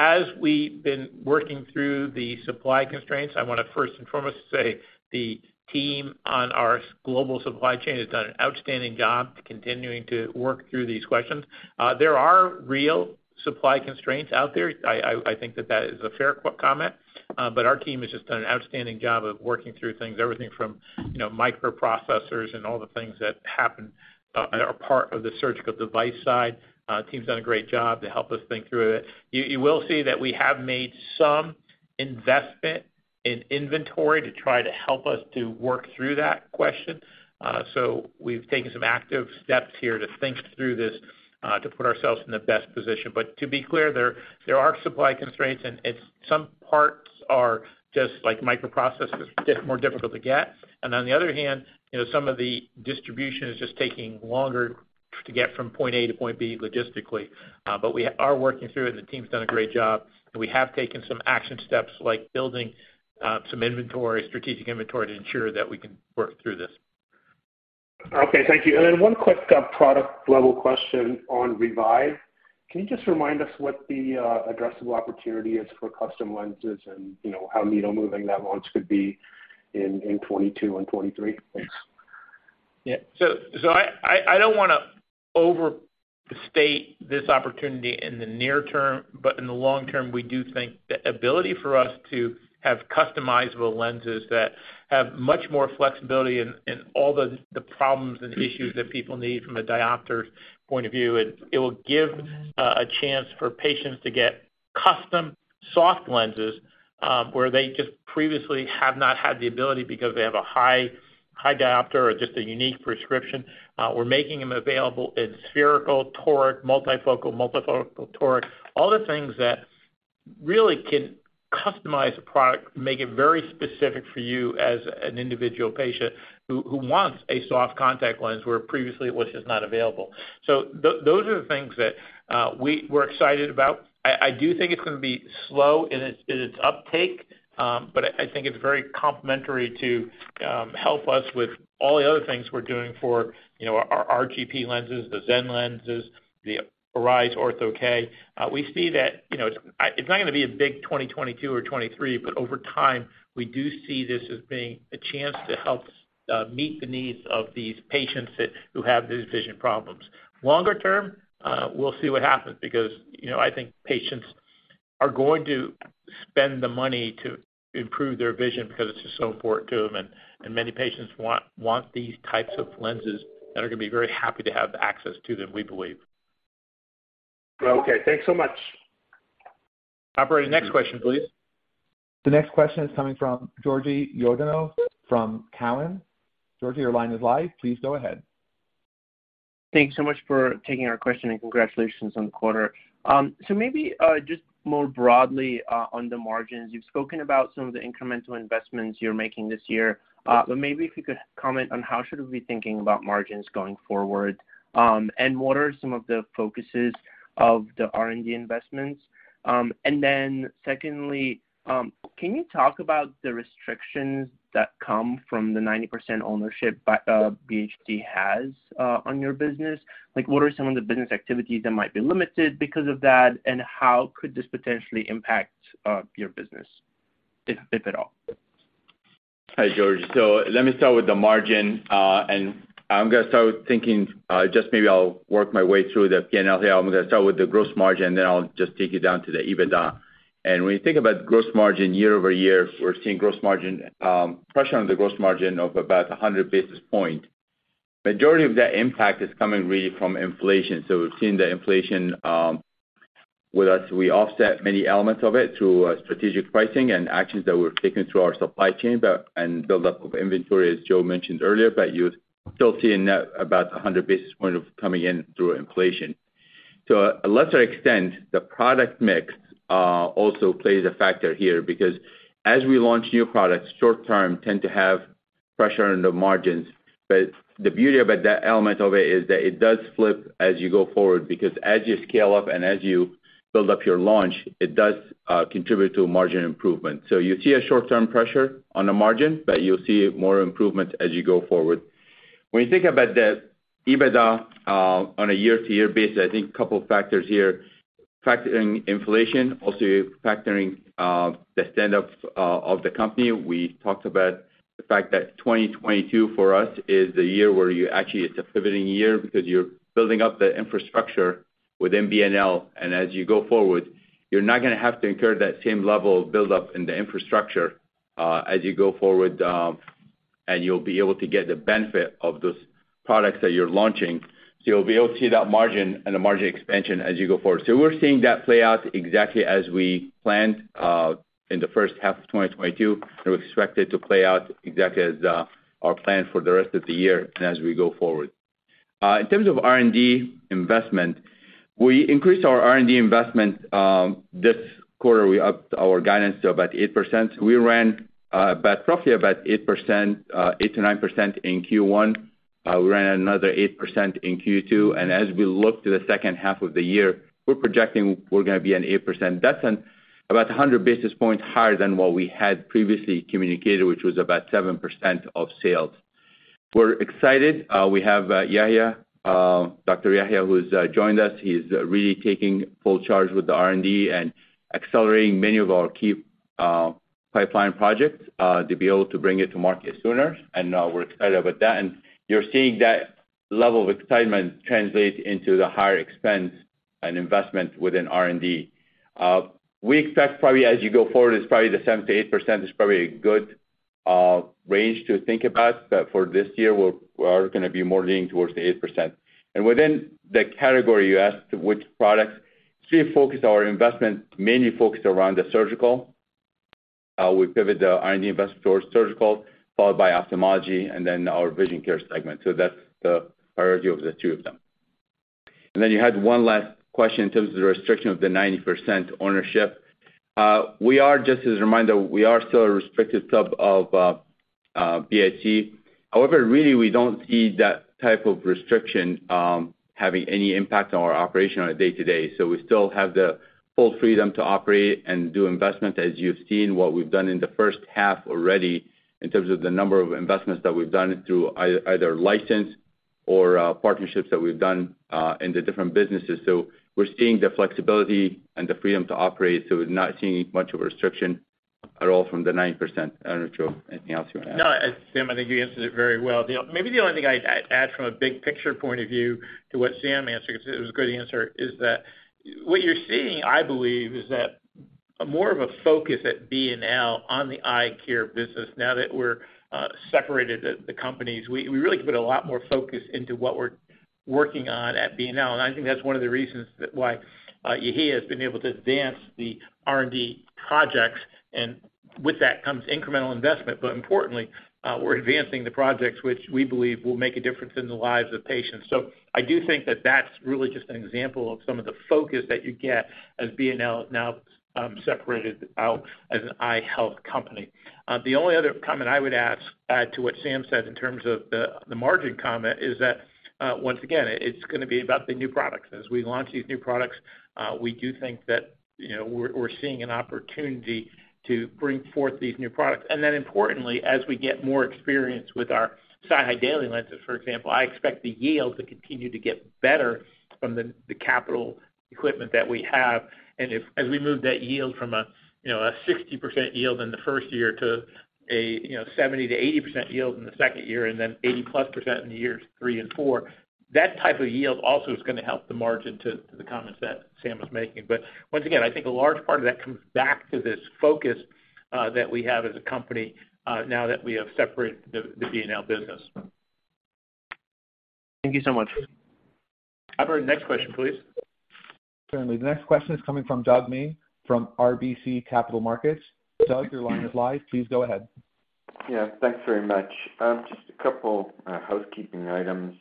As we've been working through the supply constraints, I want to first and foremost say the team on our global supply chain has done an outstanding job continuing to work through these questions. There are real supply constraints out there. I think that is a fair comment. But our team has just done an outstanding job of working through things, everything from, you know, microprocessors and all the things that happen, are part of the surgical device side. Team's done a great job to help us think through it. You will see that we have made some investment in inventory to try to help us to work through that question. So we've taken some active steps here to think through this, to put ourselves in the best position. But to be clear, there are supply constraints, and some parts are just like microprocessors, more difficult to get. On the other hand, you know, some of the distribution is just taking longer to get from point A to point B logistically. We are working through it, and the team's done a great job. We have taken some action steps like building some inventory, strategic inventory to ensure that we can work through this. Okay. Thank you. One quick product level question on Revive. Can you just remind us what the addressable opportunity is for custom lenses and, you know, how needle moving that launch could be in 2022 and 2023? Thanks. I don't wanna overstate this opportunity in the near term, but in the long term, we do think the ability for us to have customizable lenses that have much more flexibility in all the problems and issues that people need from a diopter point of view. It will give a chance for patients to get custom soft lenses, where they just previously have not had the ability because they have a high diopter or just a unique prescription. We're making them available in spherical, toric, multifocal toric. All the things that really can customize a product, make it very specific for you as an individual patient who wants a soft contact lens, where previously it was just not available. Those are the things that we're excited about. I do think it's gonna be slow in its uptake, but I think it's very complementary to help us with all the other things we're doing for, you know, our RGP lenses, the Zenlens, the Arise Ortho-K. We see that, you know, it's not gonna be a big 2022 or 2023, but over time, we do see this as being a chance to help meet the needs of these patients who have these vision problems. Longer term, we'll see what happens because, you know, I think patients are going to spend the money to improve their vision because it's just so important to them, and many patients want these types of lenses that are gonna be very happy to have access to them, we believe. Okay. Thanks so much. Operator, next question, please. The next question is coming from Georgi Yordanov from Cowen. Georgi, your line is live. Please go ahead. Thanks so much for taking our question, and congratulations on the quarter. Maybe just more broadly on the margins. You've spoken about some of the incremental investments you're making this year. Maybe if you could comment on how we should be thinking about margins going forward. What are some of the focuses of the R&D investments? Secondly, can you talk about the restrictions that come from the 90% ownership by BHC has on your business? Like, what are some of the business activities that might be limited because of that, and how could this potentially impact your business, if at all? Hi, Georgi. Let me start with the margin, and I'm gonna start with thinking, just maybe I'll work my way through the P&L here. I'm gonna start with the gross margin, then I'll just take you down to the EBITDA. When you think about gross margin year-over-year, we're seeing gross margin pressure on the gross margin of about 100 basis points. Majority of that impact is coming really from inflation. We've seen the inflation with us. We offset many elements of it through strategic pricing and actions that we've taken through our supply chain and build up of inventory, as Joe mentioned earlier. You're still seeing that about 100 basis points coming in through inflation. To a lesser extent, the product mix also plays a factor here because as we launch new products, short term tend to have pressure on the margins. The beauty about that element of it is that it does flip as you go forward because as you scale up and as you build up your launch, it does contribute to margin improvement. You see a short-term pressure on the margin, but you'll see more improvement as you go forward. When you think about the EBITDA on a year-to-year basis, I think couple factors here. Factoring inflation, also factoring the stand up of the company. We talked about the fact that 2022 for us is the year where you actually it's a pivoting year because you're building up the infrastructure within B&L. As you go forward, you're not gonna have to incur that same level of buildup in the infrastructure, as you go forward, and you'll be able to get the benefit of those products that you're launching. You'll be able to see that margin and the margin expansion as you go forward. We're seeing that play out exactly as we planned, in the first half of 2022, and we expect it to play out exactly as our plan for the rest of the year and as we go forward. In terms of R&D investment, we increased our R&D investment, this quarter. We upped our guidance to about 8%. We ran about 8%-9% in Q1. We ran another 8% in Q2. As we look to the second half of the year, we're projecting we're gonna be at 8%. That's about 100 basis points higher than what we had previously communicated, which was about 7% of sales. We're excited. We have Yehia, Dr. Yehia, who's joined us. He's really taking full charge with the R&D and accelerating many of our key pipeline projects to be able to bring it to market sooner, and we're excited about that. You're seeing that level of excitement translate into the higher expense and investment within R&D. We expect probably as you go forward, it's probably the 7%-8% is probably a good range to think about. But for this year, we're gonna be more leaning towards the 8%. Within the category you asked, which products, we focus our investment mainly focused around the surgical. We pivot the R&D investment towards surgical, followed by ophthalmology and then our vision care segment. That's the priority of the two of them. Then you had one last question in terms of the restriction of the 90% ownership. We are just as a reminder, we are still a restricted sub of BHC. However, really, we don't see that type of restriction having any impact on our operation on a day-to-day. We still have the full freedom to operate and do investment, as you've seen what we've done in the first half already in terms of the number of investments that we've done through either license or partnerships that we've done in the different businesses. We're seeing the flexibility and the freedom to operate, so we're not seeing much of a restriction at all from the 9%. I don't know, Joe, anything else you wanna add? No, Sam, I think you answered it very well. Maybe the only thing I'd add from a big picture point of view to what Sam answered, 'cause it was a good answer, is what you're seeing, I believe, is more of a focus at B&L on the eye care business. Now that we're separated the companies, we really can put a lot more focus into what we're working on at B&L. I think that's one of the reasons why Yehia has been able to advance the R&D projects, and with that comes incremental investment. Importantly, we're advancing the projects which we believe will make a difference in the lives of patients. I do think that that's really just an example of some of the focus that you get as B&L now, separated out as an eye health company. The only other comment I would add to what Sam said in terms of the margin comment is that once again, it's gonna be about the new products. As we launch these new products, we do think that, you know, we're seeing an opportunity to bring forth these new products. Then importantly, as we get more experience with our SiHy daily lenses, for example, I expect the yield to continue to get better from the capital equipment that we have. As we move that yield from a 60% yield in the first year to a 70%-80% yield in the second year, and then 80% plus in years three and four, that type of yield also is gonna help the margin to the comments that Sam is making. Once again, I think a large part of that comes back to this focus that we have as a company, now that we have separated the B&L business. Thank you so much. Operator, next question, please. Certainly. The next question is coming from Doug Miehm from RBC Capital Markets. Doug, your line is live. Please go ahead. Yeah, thanks very much. Just a couple housekeeping items.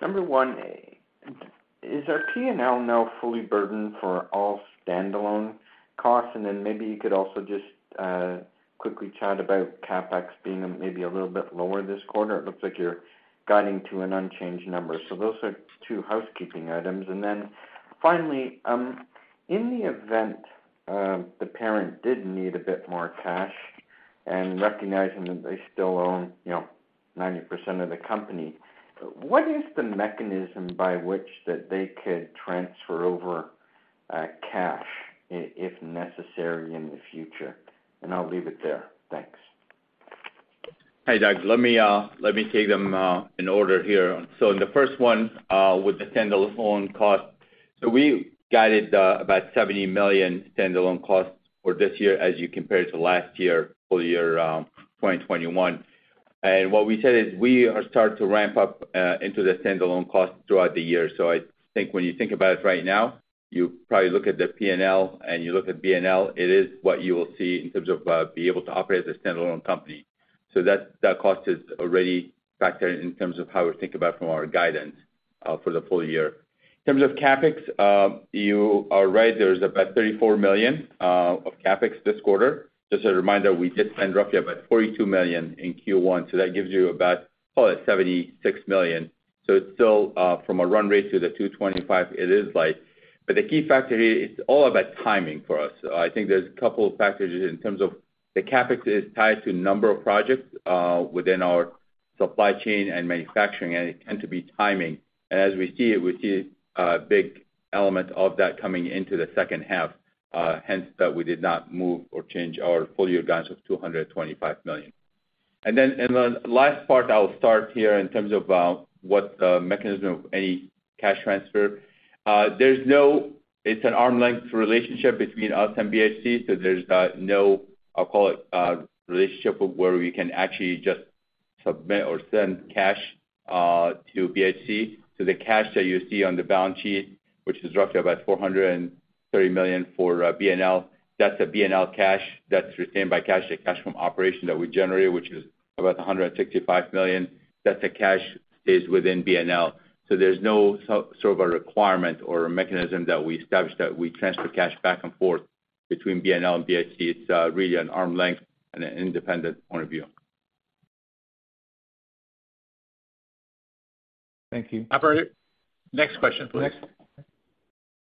Number one, is our P&L now fully burdened for all standalone costs? Then maybe you could also just quickly chat about CapEx being maybe a little bit lower this quarter. It looks like you're guiding to an unchanged number. Those are two housekeeping items. Then finally, in the event the parent did need a bit more cash and recognizing that they still own, you know, 90% of the company, what is the mechanism by which they could transfer over cash if necessary in the future? I'll leave it there. Thanks. Hey, Doug. Let me take them in order here. The first one with the standalone cost, we guided about $70 million standalone costs for this year as you compare to last year, full year, 2021. What we said is we are starting to ramp up into the standalone costs throughout the year. I think when you think about it right now, you probably look at the P&L and you look at B&L, it is what you will see in terms of being able to operate as a standalone company. That cost is already factored in terms of how we think about it from our guidance for the full year. In terms of CapEx, you are right, there's about $34 million of CapEx this quarter. Just a reminder, we did spend roughly about $42 million in Q1, so that gives you about, call it $76 million. It's still from a run rate to the 225, it is light. The key factor here is all about timing for us. I think there's a couple of factors in terms of the CapEx is tied to a number of projects within our supply chain and manufacturing, and it tend to be timing. As we see it, we see a big element of that coming into the second half, hence that we did not move or change our full year guidance of $225 million. Then in the last part, I'll start here in terms of what the mechanism of any cash transfer. It's an arm's length relationship between us and BHC, so there's no, I'll call it, relationship of where we can actually just submit or send cash to BHC. The cash that you see on the balance sheet, which is roughly about $430 million for B&L, that's a B&L cash that's retained by cash from operations that we generate, which is about $165 million. That's the cash is within B&L. There's no sort of a requirement or a mechanism that we established that we transfer cash back and forth between B&L and BHC. It's really an arm's length and an independent point of view. Thank you. Operator, next question, please.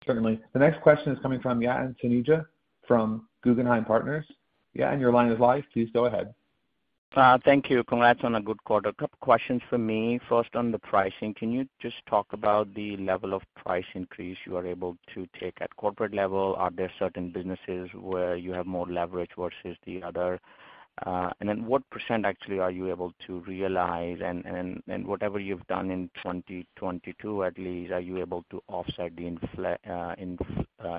Certainly. The next question is coming from Yatin Suneja from Guggenheim Partners. Yatin, your line is live. Please go ahead. Thank you. Congrats on a good quarter. Couple questions from me. First, on the pricing, can you just talk about the level of price increase you are able to take at corporate level? Are there certain businesses where you have more leverage versus the other? And then what percent actually are you able to realize? And whatever you've done in 2022 at least, are you able to offset the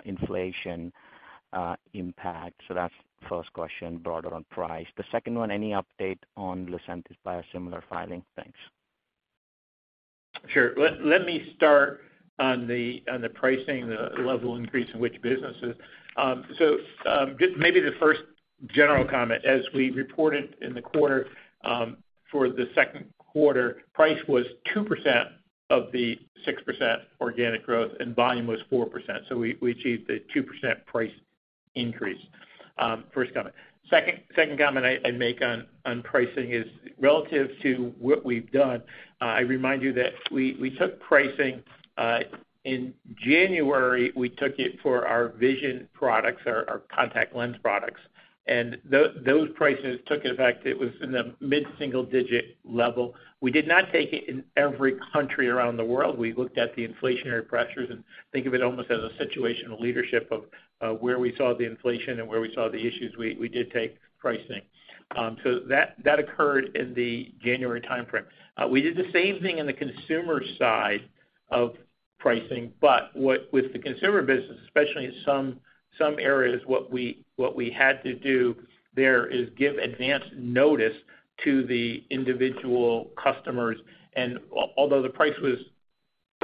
inflation impact? That's first question, broader on price. The second one, any update on LUCENTIS biosimilar filing? Thanks. Sure. Let me start on the pricing, the level increase in which businesses. Just maybe the first general comment, as we reported in the quarter, for the second quarter, price was 2% of the 6% organic growth and volume was 4%. We achieved the 2% price increase. First comment. Second comment I'd make on pricing is relative to what we've done. I remind you that we took pricing in January. We took it for our vision products, our contact lens products. Those prices took effect. It was in the mid-single digit level. We did not take it in every country around the world. We looked at the inflationary pressures and think of it almost as a situational leadership of where we saw the inflation and where we saw the issues, we did take pricing. So that occurred in the January timeframe. We did the same thing in the consumer side of pricing. With the consumer business, especially some areas, what we had to do there is give advance notice to the individual customers. Although the price was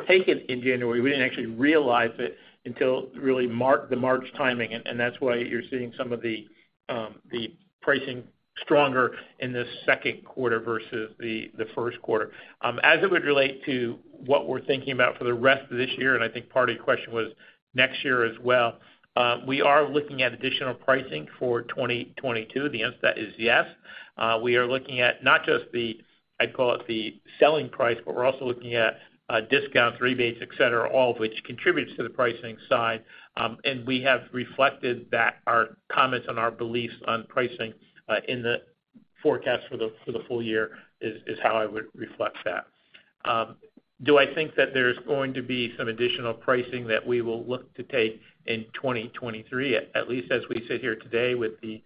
taken in January, we didn't actually realize it until really the March timing. And that's why you're seeing some of the pricing stronger in the second quarter versus the first quarter. As it would relate to what we're thinking about for the rest of this year, and I think part of your question was next year as well, we are looking at additional pricing for 2022. The answer to that is yes. We are looking at not just the, I'd call it the selling price, but we're also looking at discounts, rebates, et cetera, all of which contributes to the pricing side. We have reflected that our comments and our beliefs on pricing in the forecast for the full year is how I would reflect that. Do I think that there's going to be some additional pricing that we will look to take in 2023? At least as we sit here today with the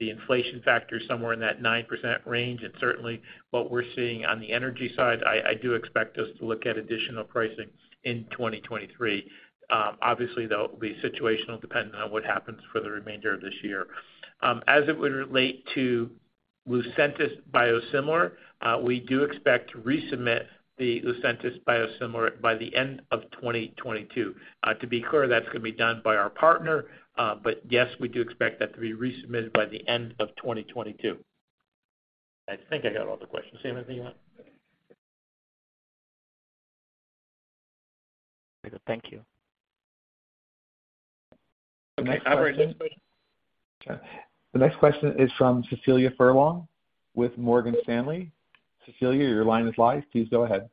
inflation factor somewhere in that 9% range and certainly what we're seeing on the energy side, I do expect us to look at additional pricing in 2023. Obviously, though, it'll be situational dependent on what happens for the remainder of this year. As it would relate to LUCENTIS biosimilar, we do expect to resubmit the LUCENTIS biosimilar by the end of 2022. To be clear, that's gonna be done by our partner. Yes, we do expect that to be resubmitted by the end of 2022. I think I got all the questions. Sam, anything you want? Very good. Thank you. Okay. Operator, next question. Okay. The next question is from Cecilia Furlong with Morgan Stanley. Cecilia, your line is live. Please go ahead.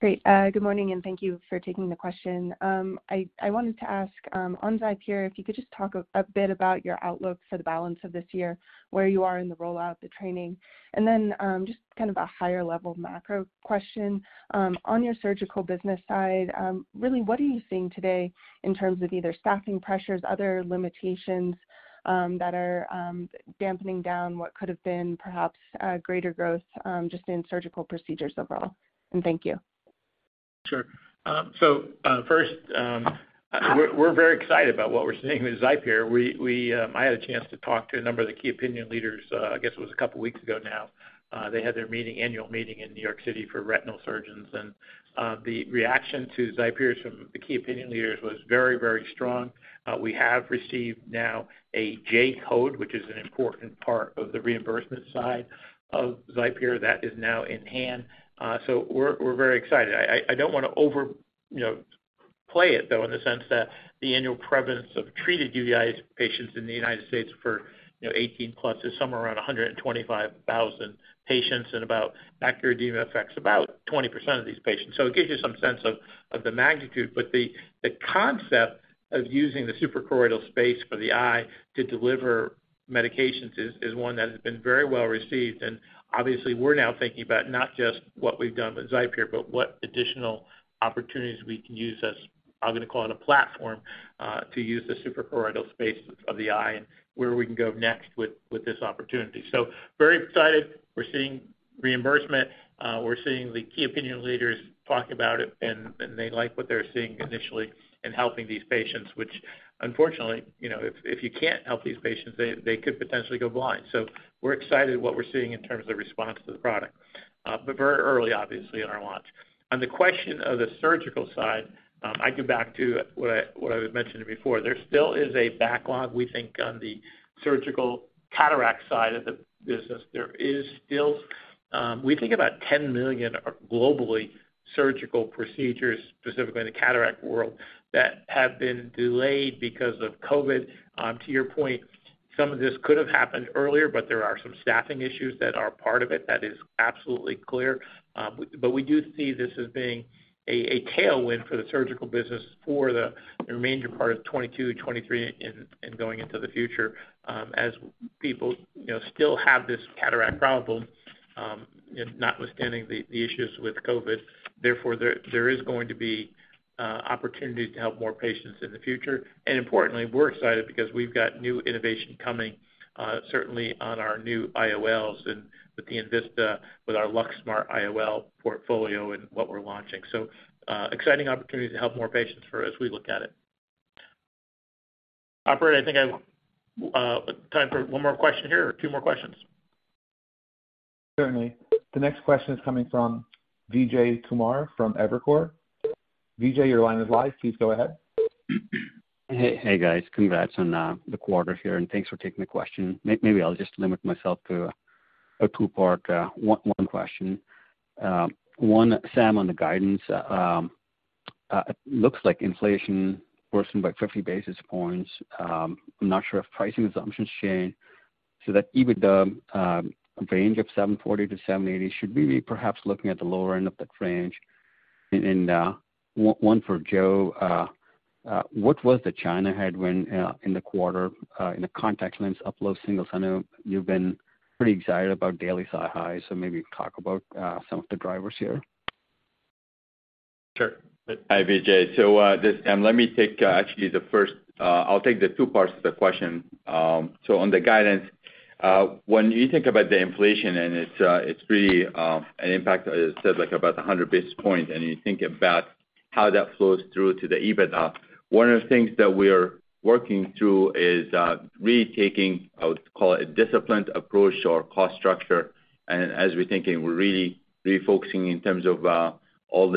Great. Good morning, and thank you for taking the question. I wanted to ask on XIPERE, if you could just talk a bit about your outlook for the balance of this year, where you are in the rollout, the training. Then, just kind of a higher level macro question. On your surgical business side, really, what are you seeing today in terms of either staffing pressures, other limitations, that are dampening down what could have been perhaps greater growth, just in surgical procedures overall? Thank you. Sure. So, first, we're very excited about what we're seeing with XIPERE. I had a chance to talk to a number of the key opinion leaders, I guess it was a couple weeks ago now. They had their annual meeting in New York City for retinal surgeons. The reaction to XIPERE from the key opinion leaders was very, very strong. We have received now a J-code, which is an important part of the reimbursement side of XIPERE. That is now in hand. So we're very excited. I don't wanna overplay it though in the sense that the annual prevalence of treated uveitis patients in the United States for, you know, 18 plus is somewhere around 125,000 patients, and about macular edema affects about 20% of these patients. It gives you some sense of the magnitude. The concept of using the suprachoroidal space for the eye to deliver medications is one that has been very well received. Obviously we're now thinking about not just what we've done with XIPERE, but what additional opportunities we can use as, I'm gonna call it a platform, to use the suprachoroidal space of the eye and where we can go next with this opportunity. Very excited. We're seeing reimbursement. We're seeing the key opinion leaders talk about it, and they like what they're seeing initially in helping these patients, which unfortunately, you know, if you can't help these patients, they could potentially go blind. We're excited what we're seeing in terms of response to the product. Very early obviously in our launch. On the question of the surgical side, I go back to what I had mentioned before. There still is a backlog, we think, on the surgical cataract side of the business. There is still, we think, about 10 million global surgical procedures, specifically in the cataract world, that have been delayed because of COVID. To your point, some of this could have happened earlier, but there are some staffing issues that are part of it. That is absolutely clear. We do see this as being a tailwind for the surgical business for the remainder part of 2022 and 2023 and going into the future, as people, you know, still have this cataract problem, notwithstanding the issues with COVID. Therefore, there is going to be opportunity to help more patients in the future. Importantly, we're excited because we've got new innovation coming, certainly on our new IOLs and with the enVista, with our LuxSmart IOL portfolio and what we're launching. Exciting opportunity to help more patients as we look at it. Operator, I think it's time for one more question here or two more questions. Certainly. The next question is coming from Vijay Kumar from Evercore ISI. Vijay, your line is live. Please go ahead. Hey, guys. Congrats on the quarter here, and thanks for taking the question. Maybe I'll just limit myself to a two-part one question. One, Sam, on the guidance, it looks like inflation worsened by 50 basis points. I'm not sure if pricing assumptions change so that even the range of $740-$780 should be perhaps looking at the lower end of that range. One for Joe. What was the China headwind in the quarter in the contact lens overall single-digit? I know you've been pretty excited about daily SiHy, so maybe talk about some of the drivers here. Sure. Hi, Vijay. Let me take actually the first. I'll take the two parts of the question. On the guidance. When you think about the inflation, it's really an impact, as I said, like about 100 basis points, and you think about how that flows through to the EBITDA, one of the things that we're working through is really taking, I would call it a disciplined approach to our cost structure. As we're thinking, we're really refocusing in terms of prioritizing all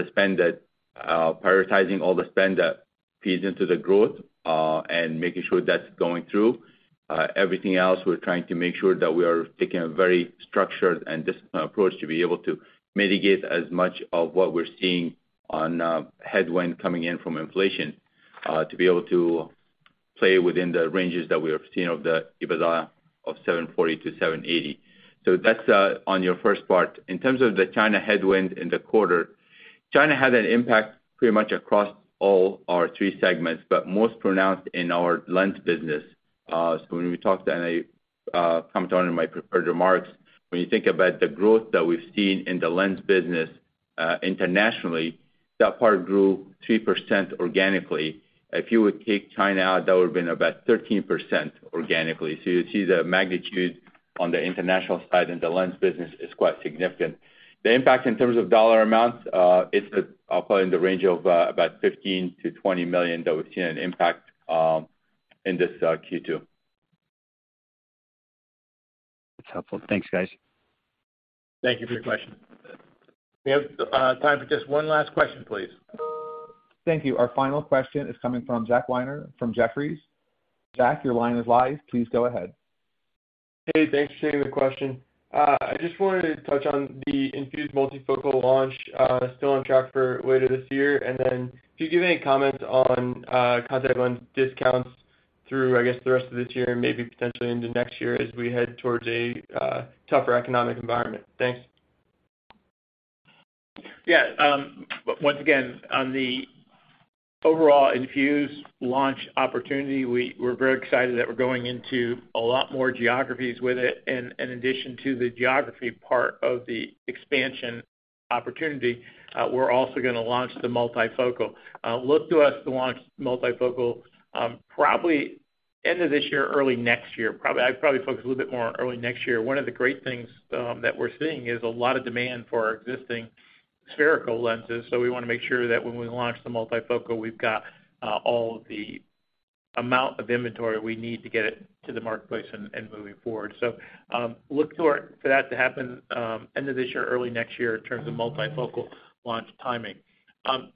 the spend that feeds into the growth, and making sure that's going through. Everything else, we're trying to make sure that we are taking a very structured and disciplined approach to be able to mitigate as much of what we're seeing the headwind coming in from inflation, to be able to play within the ranges that we have seen of the EBITDA of $740-$780. That's on your first part. In terms of the China headwind in the quarter, China had an impact pretty much across all our three segments, but most pronounced in our lens business. When we talked, and I commented on in my prepared remarks, when you think about the growth that we've seen in the lens business, internationally, that part grew 3% organically. If you would take China out, that would've been about 13% organically. You see the magnitude on the international side in the lens business is quite significant. The impact in terms of dollar amounts is probably in the range of about $15 million-$20 million that we've seen an impact in this Q2. That's helpful. Thanks, guys. Thank you for your question. We have time for just one last question, please. Thank you. Our final question is coming from Zach Weiner from Jefferies. Zach, your line is live. Please go ahead. Hey, thanks for taking the question. I just wanted to touch on the INFUSE multifocal launch, still on track for later this year. If you give any comments on contact lens discounts through, I guess, the rest of this year and maybe potentially into next year as we head towards a tougher economic environment. Thanks. Yeah. Once again, on the overall INFUSE launch opportunity, we're very excited that we're going into a lot more geographies with it. In addition to the geography part of the expansion opportunity, we're also gonna launch the multifocal. Look to us to launch multifocal, probably end of this year, early next year. I'd probably focus a little bit more early next year. One of the great things that we're seeing is a lot of demand for our existing spherical lenses. We wanna make sure that when we launch the multifocal, we've got all of the amount of inventory we need to get it to the marketplace and moving forward. Look for that to happen end of this year, early next year in terms of multifocal launch timing.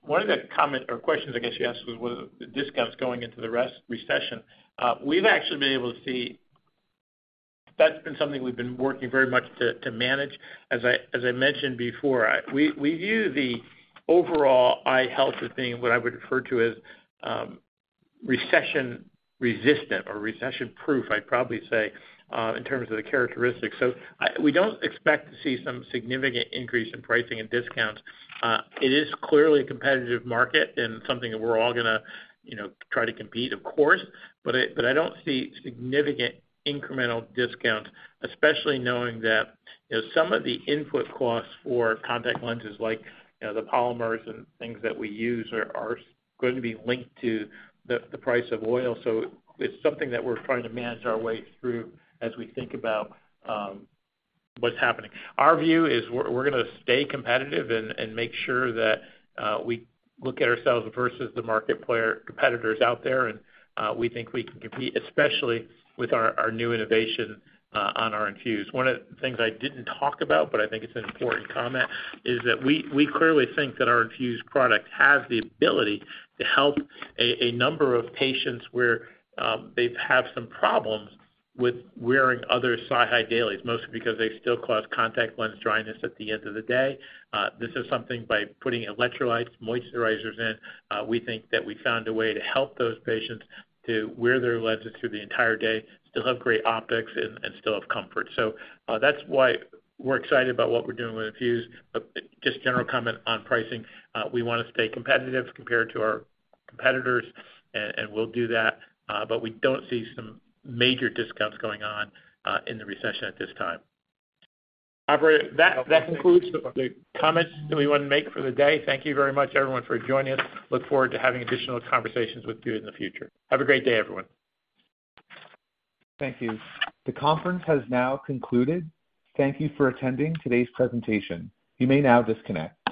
One of the comments or questions, I guess you asked was the discounts going into the recession. We've actually been able to see that's been something we've been working very much to manage. As I mentioned before, we view the overall eye health as being what I would refer to as recession resistant or recession proof, I'd probably say, in terms of the characteristics. We don't expect to see some significant increase in pricing and discounts. It is clearly a competitive market and something that we're all gonna, you know, try to compete, of course, but I don't see significant incremental discounts, especially knowing that, you know, some of the input costs for contact lenses like, you know, the polymers and things that we use are going to be linked to the price of oil. It's something that we're trying to manage our way through as we think about what's happening. Our view is we're gonna stay competitive and make sure that we look at ourselves versus the market player competitors out there, and we think we can compete, especially with our new innovation on our INFUSE. One of the things I didn't talk about, but I think it's an important comment, is that we clearly think that our INFUSE product has the ability to help a number of patients where they've had some problems with wearing other SiHy dailies, mostly because they still cause contact lens dryness at the end of the day. This is something by putting electrolytes, moisturizers in, we think that we found a way to help those patients to wear their lenses through the entire day, still have great optics and still have comfort. That's why we're excited about what we're doing with INFUSE. Just general comment on pricing, we wanna stay competitive compared to our competitors, and we'll do that, but we don't see some major discounts going on in the recession at this time. However, that concludes the comments that we wanna make for the day. Thank you very much everyone for joining us. Look forward to having additional conversations with you in the future. Have a great day, everyone. Thank you. The conference has now concluded. Thank you for attending today's presentation. You may now disconnect.